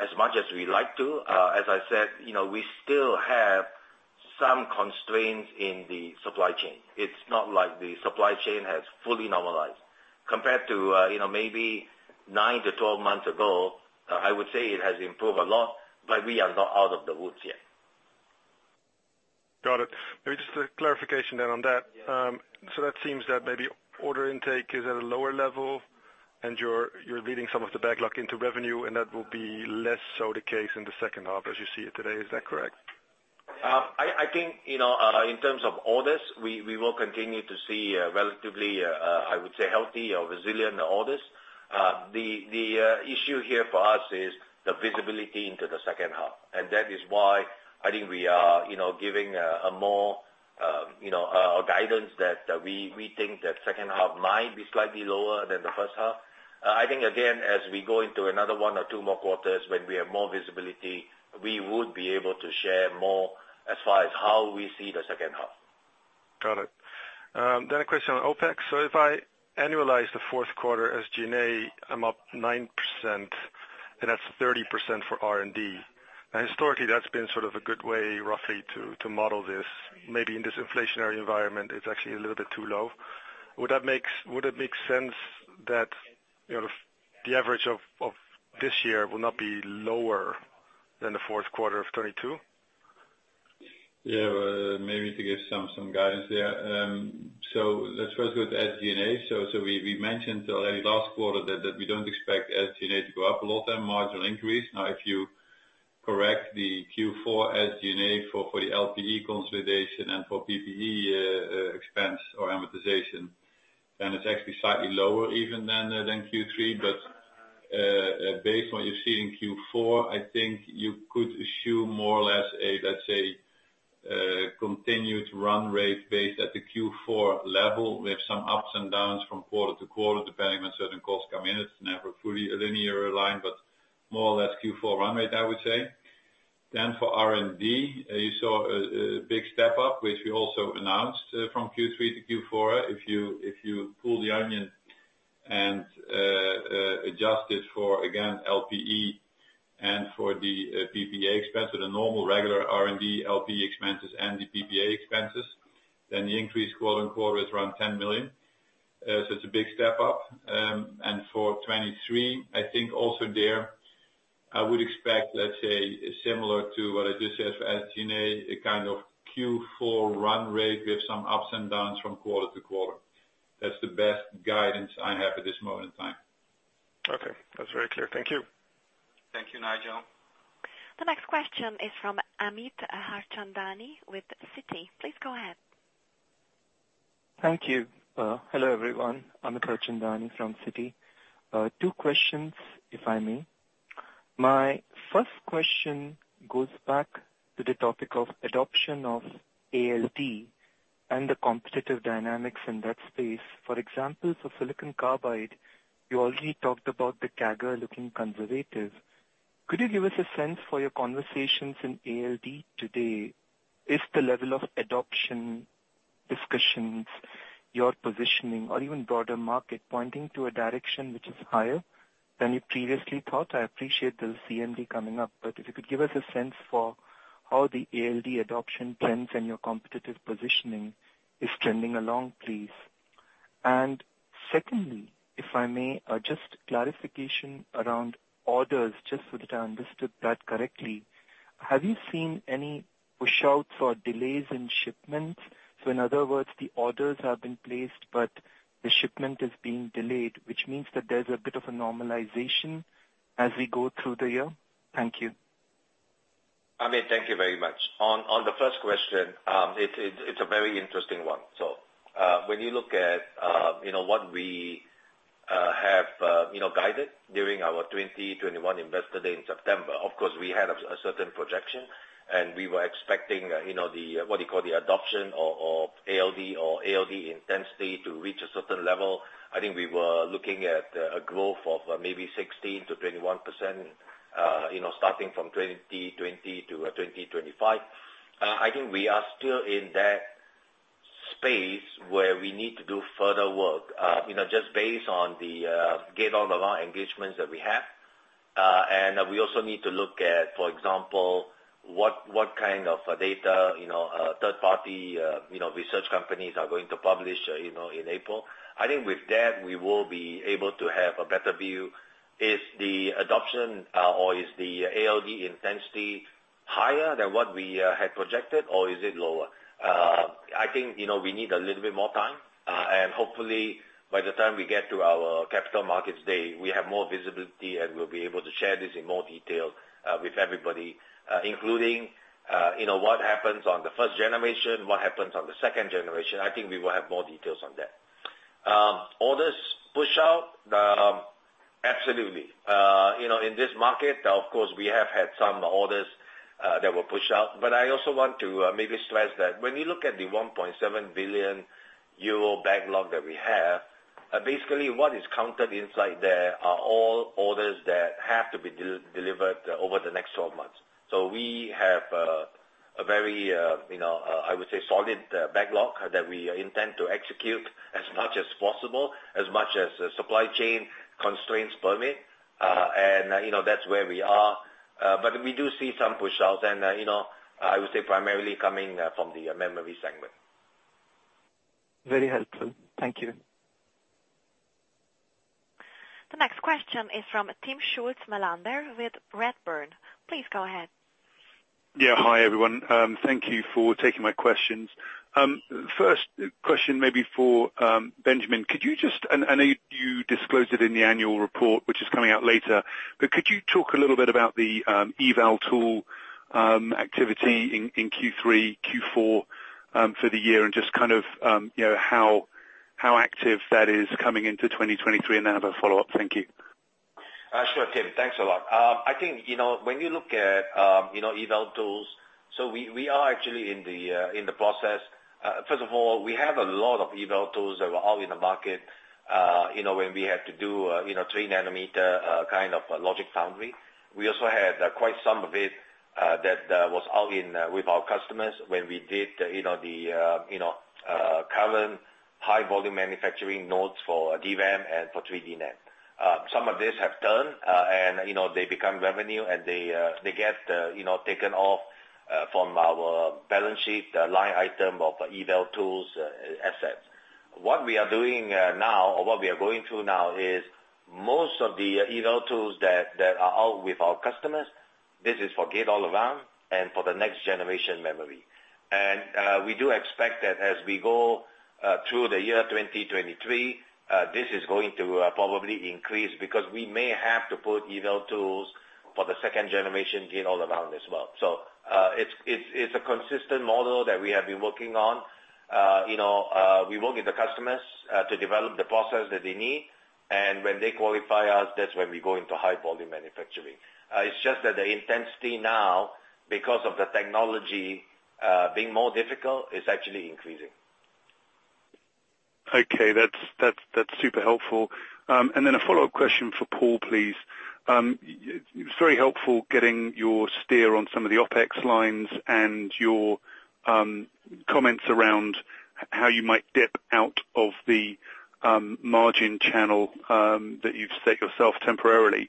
Speaker 3: as much as we like to. As I said, you know, we still have some constraints in the supply chain. It's not like the supply chain has fully normalized. Compared to, you know, maybe nine to 12 months ago, I would say it has improved a lot, but we are not out of the woods yet.
Speaker 10: Got it. Maybe just a clarification then on that. That seems that maybe order intake is at a lower level and you're leading some of the backlog into revenue, and that will be less so the case in the second half as you see it today. Is that correct?
Speaker 3: I think, you know, in terms of orders, we will continue to see relatively, I would say, healthy or resilient orders. The issue here for us is the visibility into the second half. That is why I think we are, you know, giving a more, you know, a guidance that we think that second half might be slightly lower than the first half. I think again, as we go into another one or two more quarters when we have more visibility, we would be able to share more as far as how we see the second half.
Speaker 10: Got it. A question on OpEx. If I annualize the fourth quarter as G&A, I'm up 9% and that's 30% for R&D. Historically, that's been sort of a good way roughly to model this. In this inflationary environment, it's actually a little bit too low. Would it make sense that, you know, the average of this year will not be lower than the fourth quarter of 2022?
Speaker 4: Yeah. Maybe to give some guidance there. Let's first go to SG&A. We mentioned already last quarter that we don't expect SG&A to go up a lot and margin increase. Now if you correct the Q4 SG&A for the LPE consolidation and for PPE expense or amortization, then it's actually slightly lower even than Q3. Based on what you've seen in Q4, I think you could assume more or less a, let's say, continued run rate based at the Q4 level. We have some ups and downs from quarter to quarter, depending when certain costs come in. It's never fully a linear line, but more or less Q4 run rate, I would say. For R&D, you saw a big step up, which we also announced from Q3 to Q4. If you pull the onion and adjust it for, again, LPE and for the PPA expense at a normal regular R&D LPE expenses and the PPA expenses, the increase quarter on quarter is around 10 million. It's a big step up. For 2023, I think also there, I would expect, let's say, similar to what I just said for SG&A, a kind of Q4 run rate with some ups and downs from quarter to quarter. That's the best guidance I have at this moment in time.
Speaker 10: Okay. That's very clear. Thank you.
Speaker 3: Thank you, Nigel.
Speaker 1: The next question is from Amit Harchandani with Citi. Please go ahead.
Speaker 11: Thank you. Hello, everyone. Amit Harchandani from Citi. Two questions, if I may. My first question goes back to the topic of adoption of ALD and the competitive dynamics in that space. For examples of silicon carbide, you already talked about the CAGR looking conservative. Could you give us a sense for your conversations in ALD today if the level of adoption discussions, your positioning or even broader market pointing to a direction which is higher than you previously thought? I appreciate the CMD coming up, but if you could give us a sense for how the ALD adoption trends and your competitive positioning is trending along, please. Secondly, if I may, just clarification around orders, just so that I understood that correctly. Have you seen any pushouts or delays in shipments? In other words, the orders have been placed, but the shipment is being delayed, which means that there's a bit of a normalization as we go through the year. Thank you.
Speaker 3: Amit, thank you very much. On the first question, it's a very interesting one. When you look at, you know, what we have, you know, guided during our 2021 Investor Day in September, of course, we had a certain projection, we were expecting, you know, what do you call it? The adoption of ALD or ALD intensity to reach a certain level. I think we were looking at a growth of maybe 16% to 21%, you know, starting from 2020 to 2025. I think we are still in that space where we need to do further work, you know, just based on the Gate-All-Around engagements that we have. We also need to look at, for example, what kind of data, you know, third party, you know, research companies are going to publish, you know, in April. I think with that, we will be able to have a better view. Is the adoption, or is the ALD intensity higher than what we had projected or is it lower? I think, you know, we need a little bit more time, and hopefully by the time we get to our Capital Markets Day, we have more visibility, and we'll be able to share this in more detail, with everybody, including, you know, what happens on the first generation, what happens on the second generation. I think we will have more details on that. Orders push out, Absolutely. You know, in this market, of course, we have had some orders that were pushed out. I also want to maybe stress that when you look at the 1.7 billion euro backlog that we have, basically what is counted inside there are all orders that have to be de-delivered over the next 12 months. We have a very, you know, I would say solid backlog that we intend to execute as much as possible, as much as the supply chain constraints permit. You know, that's where we are. We do see some push-outs and, you know, I would say primarily coming from the memory segment.
Speaker 11: Very helpful. Thank you.
Speaker 1: The next question is from Timm Schulze-Melander with Redburn. Please go ahead.
Speaker 12: Yeah. Hi, everyone. Thank you for taking my questions. First question maybe for Benjamin. Could you just And I know you disclosed it in the annual report, which is coming out later, but could you talk a little bit about the eval tool activity in Q3, Q4 for the year and just kind of, you know, how active that is coming into 2023, and then I have a follow-up? Thank you.
Speaker 3: Sure, Timm. Thanks a lot. I think, you know, when you look at, you know, eval tools, so we are actually in the process. First of all, we have a lot of eval tools that were out in the market, you know, when we had to do, you know, 3 nm kind of logic foundry. We also had quite some of it that was out in with our customers when we did, you know, the, you know, current high volume manufacturing nodes for DRAM and for 3D NAND. Some of these have turned, and, you know, they become revenue, and they get, you know, taken off from our balance sheet, the line item of eval tools assets. What we are doing now or what we are going through now is most of the eval tools that are out with our customers, this is for Gate-All-Around and for the next generation memory. We do expect that as we go through the year 2023, this is going to probably increase because we may have to put eval tools for the second generation Gate-All-Around as well. It's a consistent model that we have been working on. You know, we work with the customers to develop the process that they need, and when they qualify us, that's when we go into high volume manufacturing. It's just that the intensity now, because of the technology, being more difficult, is actually increasing.
Speaker 12: Okay. That's super helpful. A follow-up question for Paul, please. It's very helpful getting your steer on some of the OpEx lines and your comments around how you might dip out of the margin channel that you've set yourself temporarily.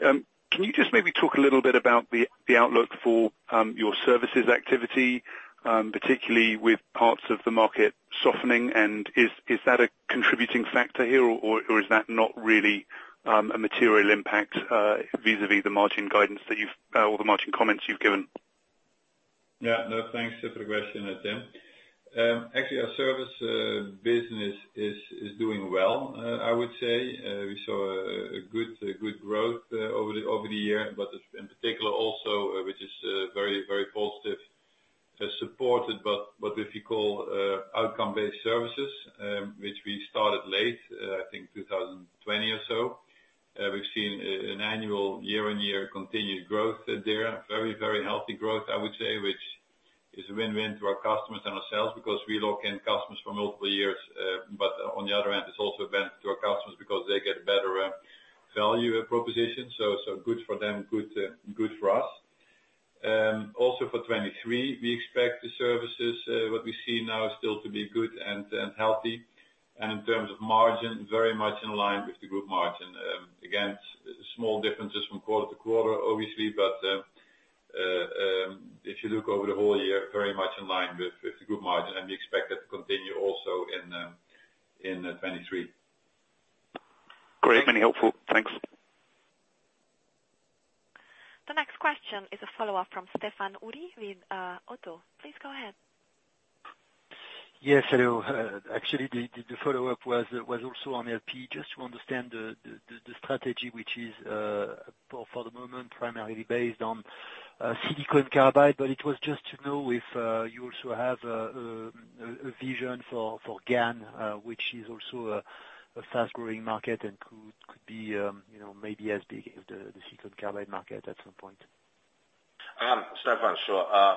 Speaker 12: Can you just maybe talk a little bit about the outlook for your services activity, particularly with parts of the market softening, and is that a contributing factor here or is that not really a material impact vis-a-vis the margin comments you've given?
Speaker 4: Yeah. No, thanks for the question, Timm. Actually, our service business is doing well, I would say. We saw a good growth over the year. In particular also, which is very, very positive, supported by what we call outcome-based services, which we started late, I think 2020 or so. We've seen an annual year-on-year continued growth there. Very, very healthy growth, I would say, which is a win-win to our customers and ourselves because we lock in customers for multiple years. On the other hand, it's also a benefit to our customers because they get better value proposition. So good for them, good for us. Also for 2023, we expect the services, what we see now still to be good and healthy. In terms of margin, very much in line with the group margin. Again, small differences from quarter to quarter, obviously, but if you look over the whole year, very much in line with the group margin, we expect that to continue also in 2023.
Speaker 12: Great. Very helpful. Thanks.
Speaker 1: The next question is a follow-up from Stephane Houri with ODDO. Please go ahead.
Speaker 3: Stephane, sure.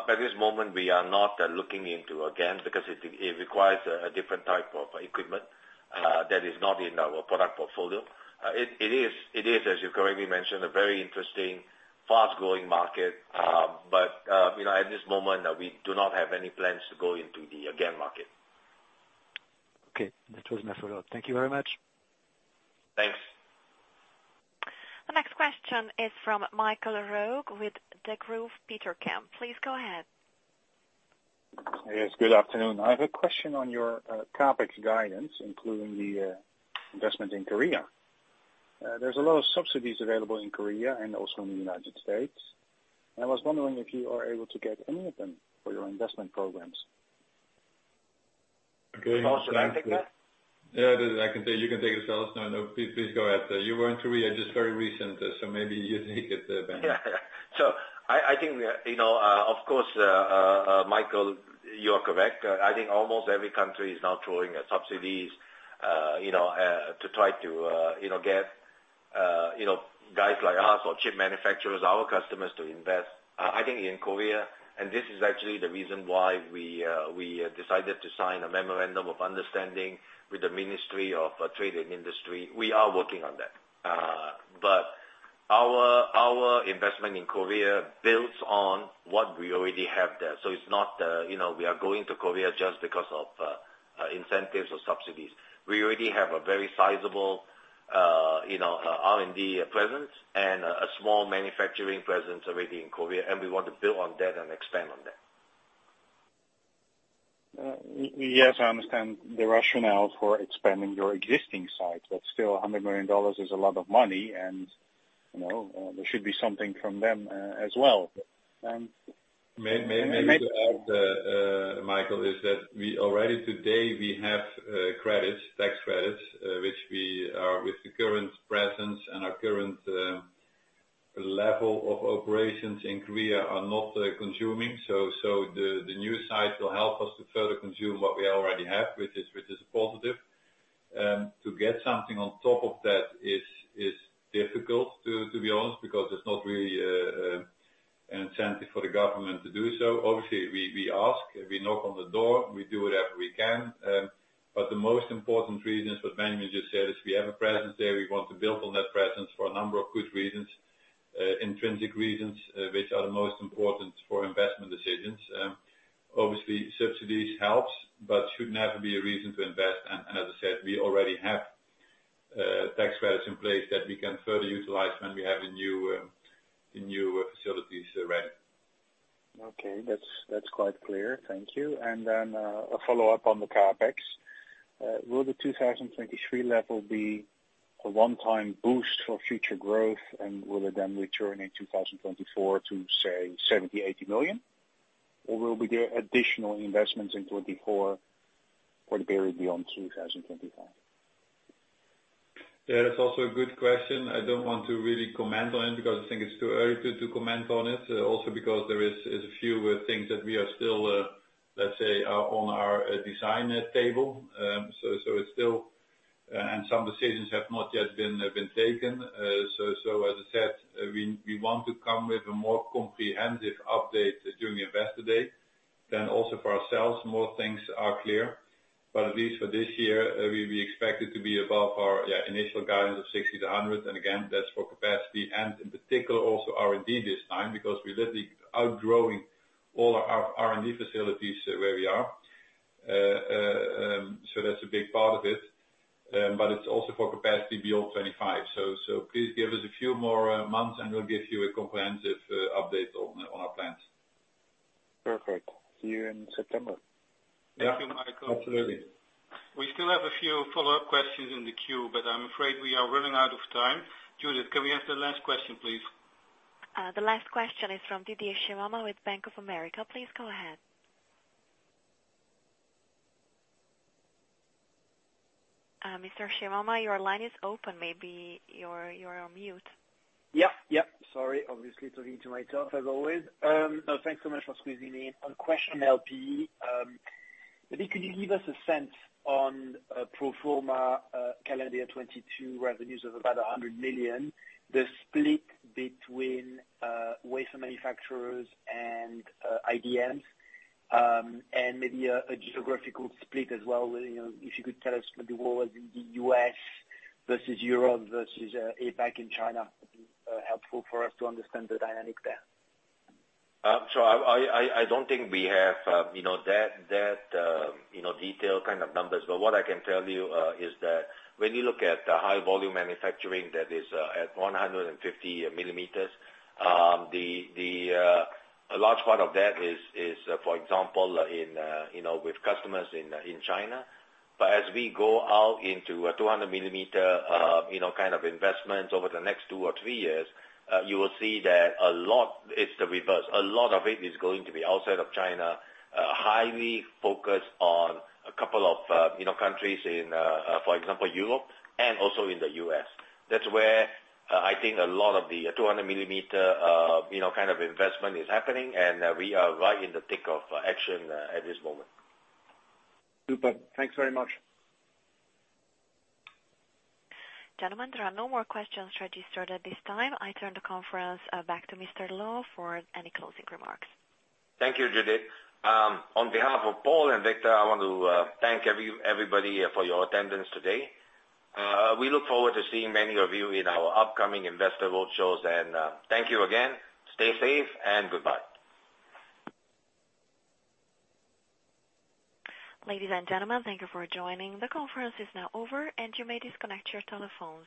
Speaker 3: At this moment, we are not looking into a GaN because it requires a different type of equipment, that is not in our product portfolio. It is, as you correctly mentioned, a very interesting, fast-growing market. You know, at this moment, we do not have any plans to go into the GaN market.
Speaker 8: Okay. That was my follow-up. Thank you very much.
Speaker 3: Thanks.
Speaker 1: The next question is from Michael Roeg with Degroof Petercam. Please go ahead.
Speaker 13: Good afternoon. I have a question on your CapEx guidance, including the investment in Korea. There's a lot of subsidies available in Korea and also in the United States. I was wondering if you are able to get any of them for your investment programs?
Speaker 3: Okay. Can I take that?
Speaker 4: Yeah, that I can take. You can take it. No, please go ahead. You were in Korea just very recent, maybe you take it, Benjamin.
Speaker 3: I think, you know, of course, Michael, you're correct. I think almost every country is now throwing subsidies, you know, to try to, you know, get, you know, guys like us or chip manufacturers, our customers, to invest. I think in Korea, this is actually the reason why we decided to sign a memorandum of understanding with the Ministry of Trade and Industry, we are working on that. Our investment in Korea builds on what we already have there. It's not, you know, we are going to Korea just because of incentives or subsidies. We already have a very sizable, you know, R&D presence and a small manufacturing presence already in Korea, we want to build on that and expand on that.
Speaker 13: Yes, I understand the rationale for expanding your existing site. Still, $100 million is a lot of money. You know, there should be something from them as well.
Speaker 4: May I add, Michael, is that we already today we have credits, tax credits, which we are with the current presence and our current level of operations in Korea are not consuming. The new site will help us to further consume what we already have, which is positive. To get something on top of that is difficult, to be honest, because it's not really an incentive for the government to do so. Obviously, we ask, we knock on the door, we do whatever we can. The most important reason is what Benjamin just said, is we have a presence there. We want to build on that presence for a number of good reasons, intrinsic reasons, which are the most important for investment decisions. Obviously subsidies helps, but should never be a reason to invest. As I said, we already have tax credits in place that we can further utilize when we have the new facilities ready.
Speaker 13: Okay. That's quite clear. Thank you. A follow-up on the CapEx. Will the 2023 level be a one-time boost for future growth? Will it then return in 2024 to, say, 70 million-80 million? Will there be additional investments in 2024 or the period beyond 2025?
Speaker 4: Yeah, that's also a good question. I don't want to really comment on it because I think it's too early to comment on it. Because there is a few things that we are still, let's say, are on our design table. So it's still. Some decisions have not yet been taken. So as I said, we want to come with a more comprehensive update during Investor Day. Also for ourselves, more things are clear. At least for this year, we expect it to be above our, yeah, initial guidance of 60 million-100 million. Again, that's for capacity and in particular also R&D this time, because we're literally outgrowing all our R&D facilities where we are. That's a big part of it. It's also for capacity beyond 2025. Please give us a few more months, and we'll give you a comprehensive update on our plans.
Speaker 13: Perfect. See you in September.
Speaker 3: Thank you, Michael.
Speaker 4: Absolutely.
Speaker 2: We still have a few follow-up questions in the queue. I'm afraid we are running out of time. Judith, can we have the last question, please?
Speaker 1: The last question is from Didier Scemama with Bank of America. Please go ahead. Mr. Scemama, your line is open. Maybe you're on mute.
Speaker 5: Yeah. Yeah. Sorry. Obviously talking to myself as always. Thanks so much for squeezing in a question, LPE. Maybe could you give us a sense on pro forma calendar 2022 revenues of about 100 million, the split between wafer manufacturers and IDMs, and maybe a geographical split as well? You know, if you could tell us maybe what was in the U.S. versus Europe versus APAC and China, helpful for us to understand the dynamic there.
Speaker 3: I don't think we have, you know, that, you know, detailed kind of numbers. What I can tell you is that when you look at the high volume manufacturing that is at 150 mm, A large part of that is, for example, in, you know, with customers in China. As we go out into a 200 mm, you know, kind of investments over the next two or three years, you will see that a lot it's the reverse. A lot of it is going to be outside of China, highly focused on a couple of, you know, countries in, for example, Europe and also in the U.S. That's where, I think a lot of the 200 mm, you know, kind of investment is happening. We are right in the thick of action, at this moment.
Speaker 5: Super. Thanks very much.
Speaker 1: Gentlemen, there are no more questions registered at this time. I turn the conference back to Mr. Loh for any closing remarks.
Speaker 3: Thank you, Judith. on behalf of Paul and Victor, I want to thank everybody for your attendance today. We look forward to seeing many of you in our upcoming Investor roadshows. Thank you again. Stay safe and goodbye.
Speaker 1: Ladies and gentlemen, thank you for joining. The conference is now over, and you may disconnect your telephones.